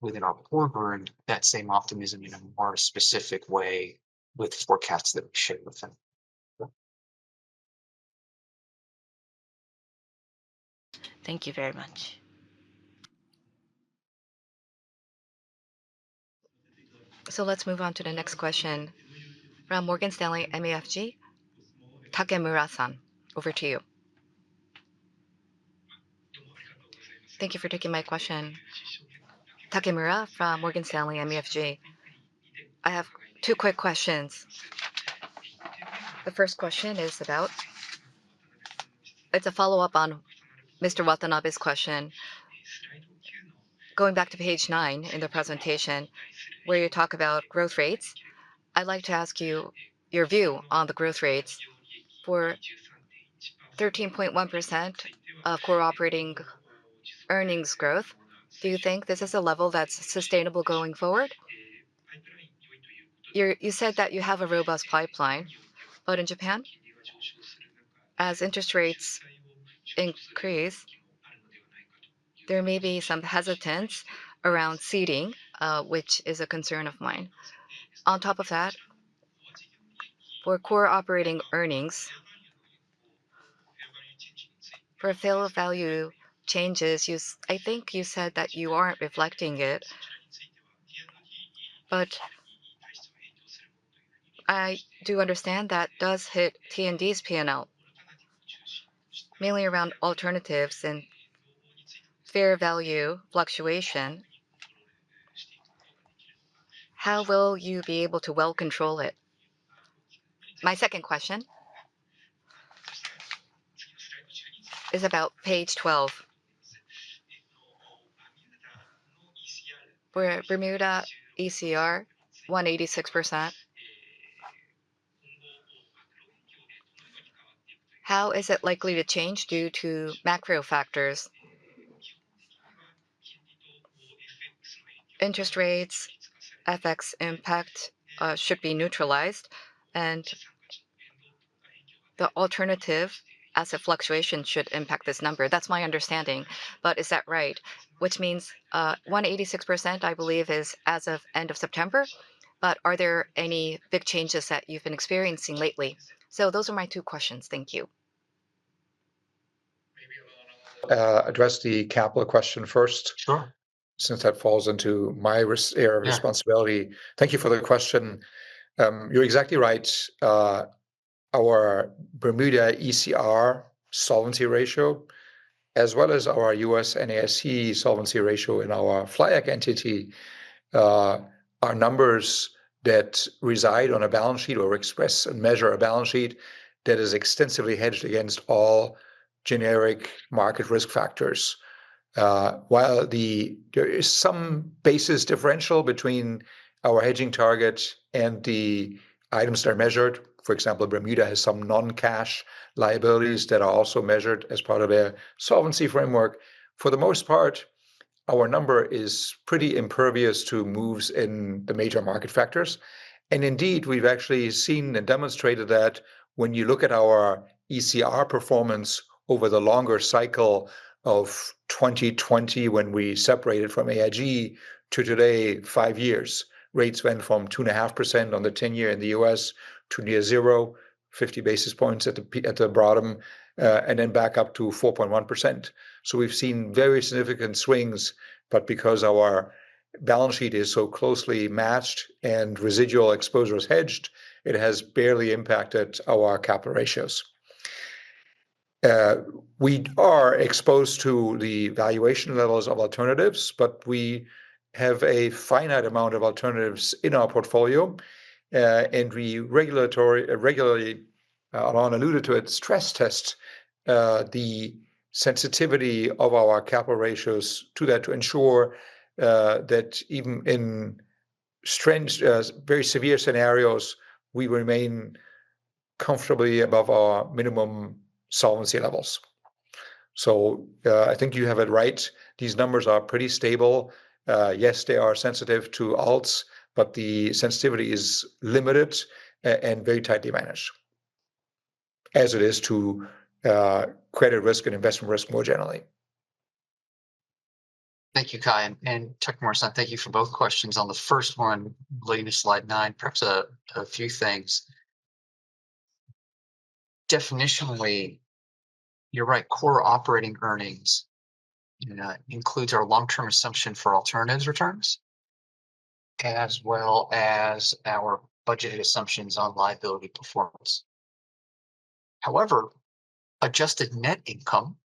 within our core group that same optimism in a more specific way with forecasts that we share with them. Thank you very much. Let's move on to the next question from Morgan Stanley MUFG, Takemura-san. Over to you. Thank you for taking my question. Takemura from Morgan Stanley MUFG. I have two quick questions. The first question is about. It's a follow-up on Mr. Watanabe's question. Going back to page nine in the presentation where you talk about growth rates, I'd like to ask you your view on the growth rates. For 13.1% of core operating earnings growth, do you think this is a level that's sustainable going forward? You said that you have a robust pipeline, but in Japan, as interest rates increase, there may be some hesitance around ceding, which is a concern of mine. On top of that, for core operating earnings, for fair value changes, I think you said that you aren't reflecting it, but I do understand that does hit T&D's P&L, mainly around alternatives and fair value fluctuation. How will you be able to well control it? My second question is about page 12. For Bermuda ECR, 186%. How is it likely to change due to macro factors? Interest rates affect impact should be neutralized, and the alternative asset fluctuation should impact this number. That's my understanding, but is that right? Which means 186%, I believe, is as of end of September, but are there any big changes that you've been experiencing lately? So those are my two questions. Thank you. Maybe I'll address the capital question first. Sure. Since that falls into my area of responsibility. Thank you for the question. You're exactly right. Our Bermuda ECR solvency ratio, as well as our U.S. NAIC solvency ratio in our FLIAC entity, are numbers that reside on a balance sheet or express and measure a balance sheet that is extensively hedged against all generic market risk factors. While there is some basis differential between our hedging target and the items that are measured, for example, Bermuda has some non-cash liabilities that are also measured as part of their solvency framework. For the most part, our number is pretty impervious to moves in the major market factors, and indeed, we've actually seen and demonstrated that when you look at our ECR performance over the longer cycle of 2020 when we separated from AIG to today, five years, rates went from 2.5% on the 10-year in the U.S. to near zero, 50 basis points at the bottom, and then back up to 4.1%. So we've seen very significant swings, but because our balance sheet is so closely matched and residual exposure is hedged, it has barely impacted our capital ratios. We are exposed to the valuation levels of alternatives, but we have a finite amount of alternatives in our portfolio. And we regularly, as alluded to it, stress test the sensitivity of our capital ratios to that to ensure that even in very severe scenarios, we remain comfortably above our minimum solvency levels. So I think you have it right. These numbers are pretty stable. Yes, they are sensitive to alts, but the sensitivity is limited and very tightly managed, as it is to credit risk and investment risk more generally. Thank you, Kai. And Takemura-san, thank you for both questions. On the first one, looking at Slide nine, perhaps a few things. Definitionally, you're right, core operating earnings includes our long-term assumption for alternatives returns, as well as our budgeted assumptions on liability performance. However, adjusted net income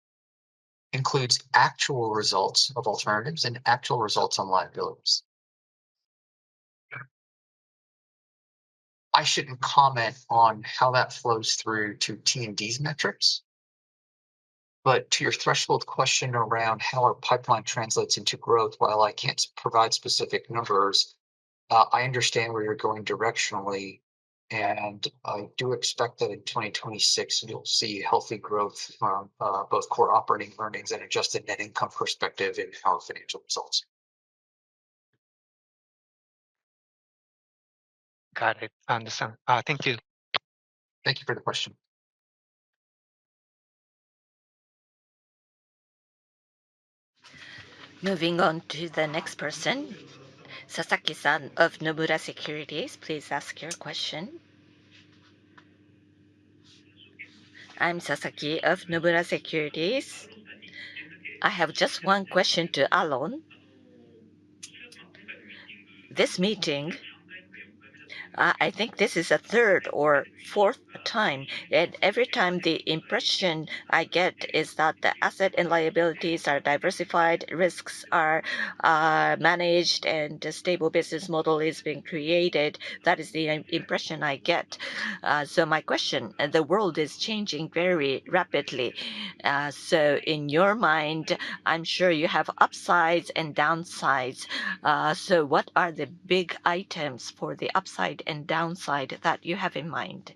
includes actual results of alternatives and actual results on liabilities. I shouldn't comment on how that flows through to T&D's metrics, but to your threshold question around how our pipeline translates into growth, while I can't provide specific numbers, I understand where you're going directionally, and I do expect that in 2026, we'll see healthy growth from both core operating earnings and adjusted net income perspective in our financial results. Got it. I understand. Thank you. Thank you for the question. Moving on to the next person, Sasaki-san of Nomura Securities, please ask your question. I'm Sasaki of Nomura Securities. I have just one question to Alon. This meeting, I think this is a third or fourth time, and every time the impression I get is that the asset and liabilities are diversified, risks are managed, and a stable business model is being created. That is the impression I get. So my question, the world is changing very rapidly. So in your mind, I'm sure you have upsides and downsides. So what are the big items for the upside and downside that you have in mind?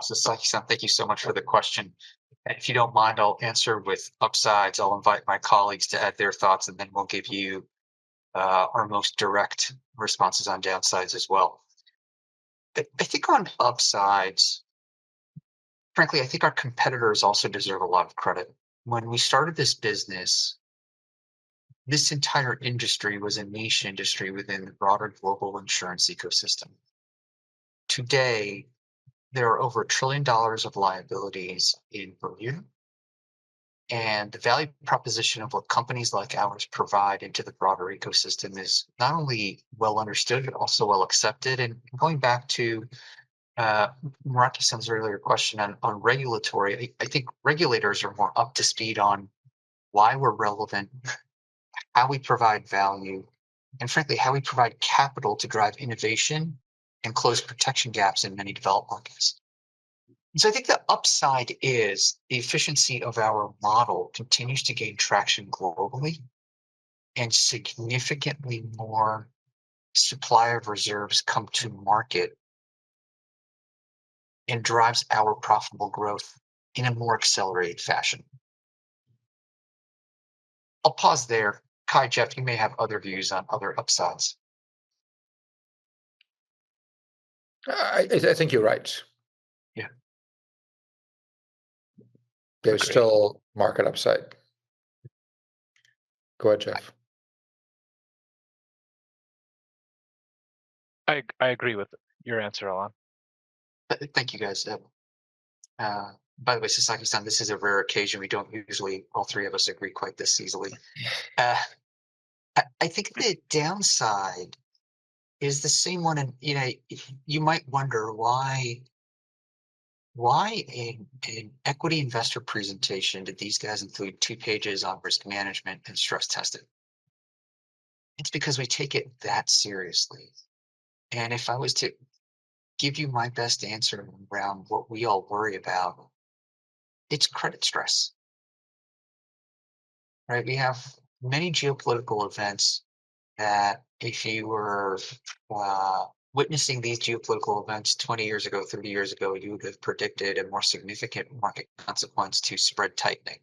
Sasaki-san, thank you so much for the question. If you don't mind, I'll answer with upsides. I'll invite my colleagues to add their thoughts, and then we'll give you our most direct responses on downsides as well. I think on upsides, frankly, I think our competitors also deserve a lot of credit. When we started this business, this entire industry was a niche industry within the broader global insurance ecosystem. Today, there are over $1 trillion of liabilities in Bermuda, and the value proposition of what companies like ours provide into the broader ecosystem is not only well understood, but also well accepted, and going back to Muraki-san's earlier question on regulatory, I think regulators are more up to speed on why we're relevant, how we provide value, and frankly, how we provide capital to drive innovation and close protection gaps in many developed markets. I think the upside is the efficiency of our model continues to gain traction globally, and significantly more supply of reserves come to market and drives our profitable growth in a more accelerated fashion. I'll pause there. Kai, Jeff, you may have other views on other upsides. I think you're right. Yeah. There's still market upside. Go ahead, Jeff. I agree with your answer, Alon. Thank you, guys. By the way, Sasaki-san, this is a rare occasion. We don't usually, all three of us, agree quite this easily. I think the downside is the same one. And you might wonder, why in an equity investor presentation did these guys include two pages on risk management and stress testing? It's because we take it that seriously. And if I was to give you my best answer around what we all worry about, it's credit stress. Right? We have many geopolitical events that if you were witnessing these geopolitical events 20 years ago, 30 years ago, you would have predicted a more significant market consequence to spread tightening.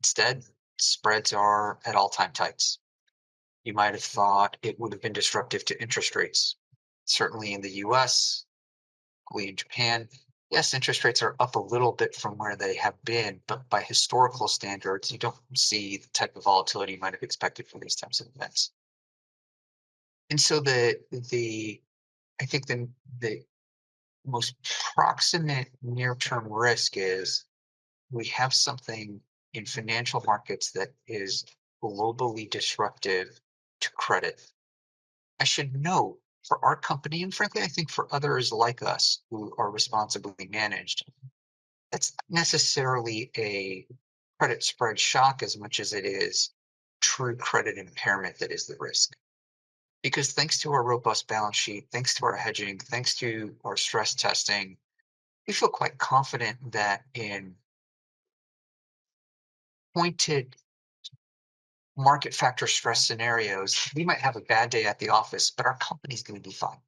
Instead, spreads are at all-time tights. You might have thought it would have been disruptive to interest rates, certainly in the U.S., equally in Japan. Yes, interest rates are up a little bit from where they have been, but by historical standards, you don't see the type of volatility you might have expected for these types of events, and so I think the most proximate near-term risk is we have something in financial markets that is globally disruptive to credit. I should note for our company, and frankly, I think for others like us who are responsibly managed, that's not necessarily a credit spread shock as much as it is true credit impairment that is the risk. Because thanks to our robust balance sheet, thanks to our hedging, thanks to our stress testing, we feel quite confident that in pointed market factor stress scenarios, we might have a bad day at the office, but our company's going to be fine.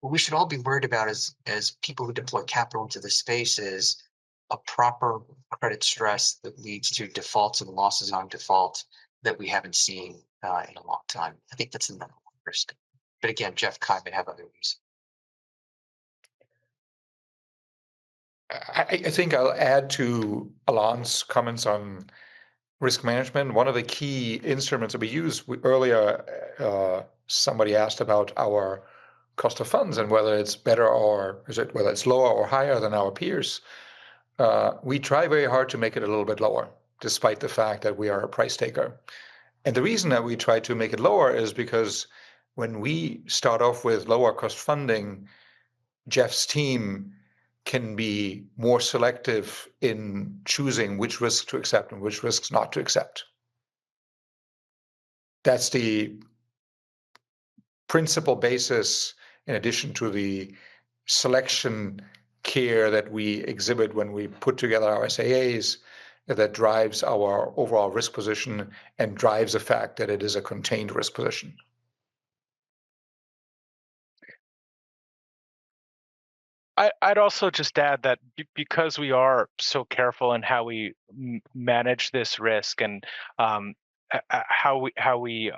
What we should all be worried about as people who deploy capital into the space is a proper credit stress that leads to defaults and losses on default that we haven't seen in a long time. I think that's a number one risk. But again, Jeff, Kai, might have other reasons. I think I'll add to Alon's comments on risk management. One of the key instruments that we used earlier, somebody asked about our cost of funds and whether it's better or whether it's lower or higher than our peers. We try very hard to make it a little bit lower, despite the fact that we are a price taker. And the reason that we try to make it lower is because when we start off with lower-cost funding, Jeff's team can be more selective in choosing which risks to accept and which risks not to accept. That's the principal basis, in addition to the selection care that we exhibit when we put together our SAAs, that drives our overall risk position and drives the fact that it is a contained risk position. I'd also just add that because we are so careful in how we manage this risk and how we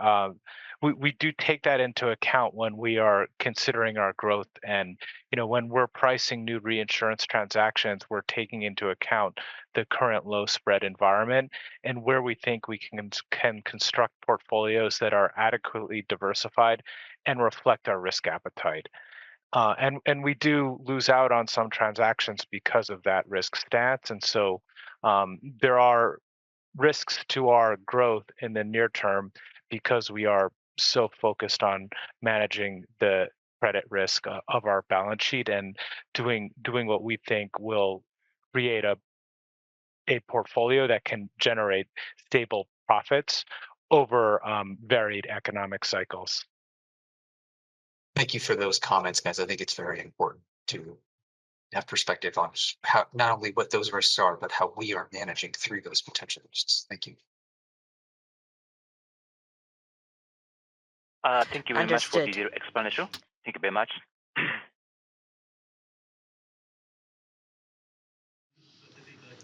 do take that into account when we are considering our growth and when we're pricing new reinsurance transactions, we're taking into account the current low spread environment and where we think we can construct portfolios that are adequately diversified and reflect our risk appetite. And we do lose out on some transactions because of that risk status. And so there are risks to our growth in the near term because we are so focused on managing the credit risk of our balance sheet and doing what we think will create a portfolio that can generate stable profits over varied economic cycles. Thank you for those comments, guys. I think it's very important to have perspective on not only what those risks are, but how we are managing through those potential risks. Thank you. Thank you very much for the excellent. Thank you very much.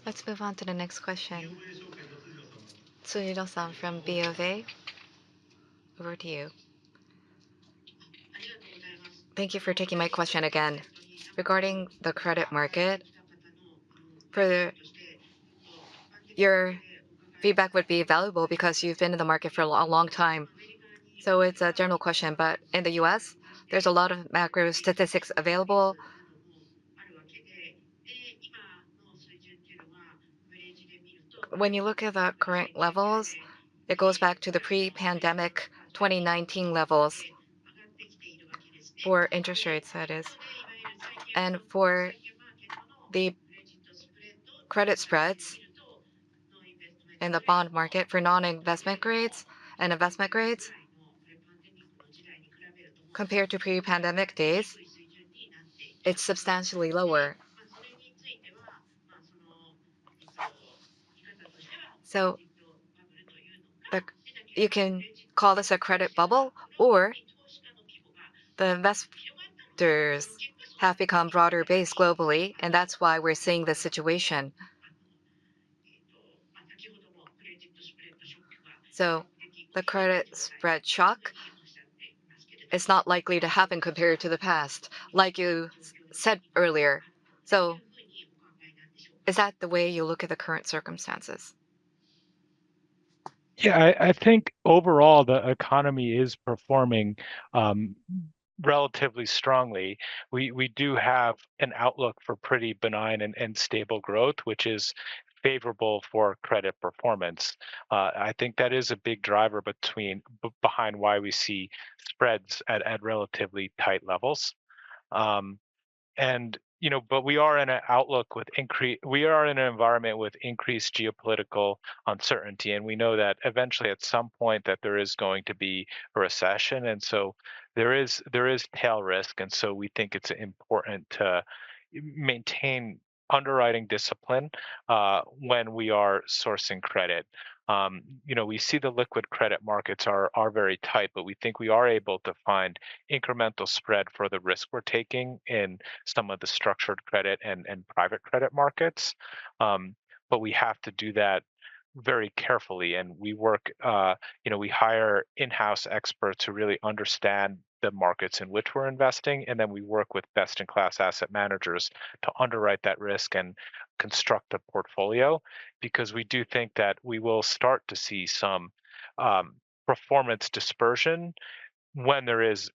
Let's move on to the next question. Sunil-san from BFA. Over to you. Thank you for taking my question again. Regarding the credit market, your feedback would be valuable because you've been in the market for a long time. So it's a general question, but in the U.S., there's a lot of macro statistics available. When you look at the current levels, it goes back to the pre-pandemic 2019 levels for interest rates, that is, and for the credit spreads in the bond market, for non-investment grades and investment grades, compared to pre-pandemic days, it's substantially lower. So you can call this a credit bubble, or the investment grade broader base globally, and that's why we're seeing the situation. So the credit spread shock is not likely to happen compared to the past, like you said earlier. So is that the way you look at the current circumstances? Yeah, I think overall the economy is performing relatively strongly. We do have an outlook for pretty benign and stable growth, which is favorable for credit performance. I think that is a big driver behind why we see spreads at relatively tight levels. But we are in an environment with increased geopolitical uncertainty, and we know that eventually, at some point, that there is going to be a recession. And so there is tail risk, and so we think it's important to maintain underwriting discipline when we are sourcing credit. We see the liquid credit markets are very tight, but we think we are able to find incremental spread for the risk we're taking in some of the structured credit and private credit markets. But we have to do that very carefully, and we work, we hire in-house experts who really understand the markets in which we're investing, and then we work with best-in-class asset managers to underwrite that risk and construct a portfolio because we do think that we will start to see some performance dispersion when there is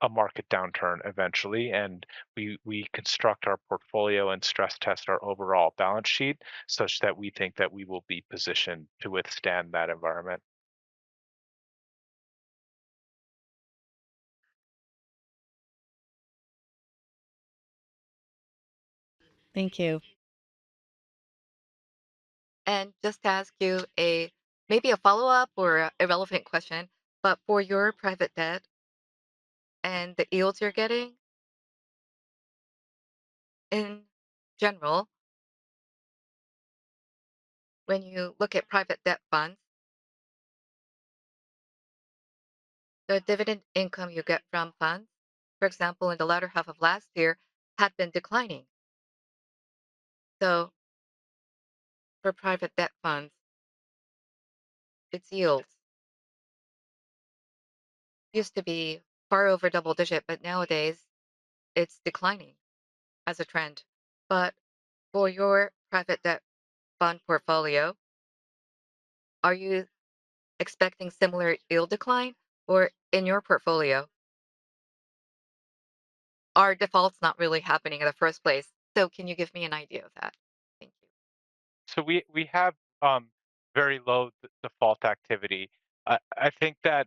a market downturn eventually, and we construct our portfolio and stress test our overall balance sheet such that we think that we will be positioned to withstand that environment. Thank you. And just to ask you maybe a follow-up or a relevant question, but for your private debt and the yields you're getting, in general, when you look at private debt funds, the dividend income you get from funds, for example, in the latter half of last year, had been declining. For private debt funds, its yields used to be far over double-digit, but nowadays it's declining as a trend. But for your private debt fund portfolio, are you expecting similar yield decline? Or in your portfolio, are defaults not really happening in the first place? So can you give me an idea of that? Thank you. So we have very low default activity. I think that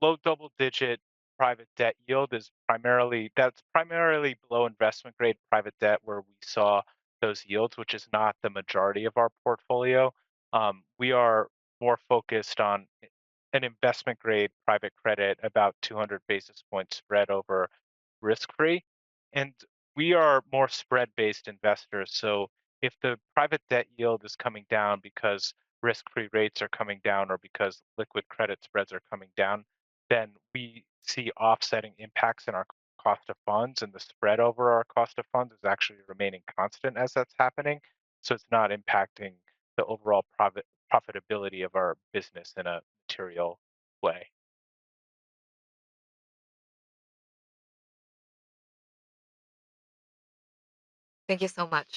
low double-digit private debt yield is primarily, that's primarily below investment-grade private debt where we saw those yields, which is not the majority of our portfolio. We are more focused on an investment-grade private credit, about 200 basis points spread over risk-free. And we are more spread-based investors. So if the private debt yield is coming down because risk-free rates are coming down or because liquid credit spreads are coming down, then we see offsetting impacts in our cost of funds, and the spread over our cost of funds is actually remaining constant as that's happening. So it's not impacting the overall profitability of our business in a material way. Thank you so much.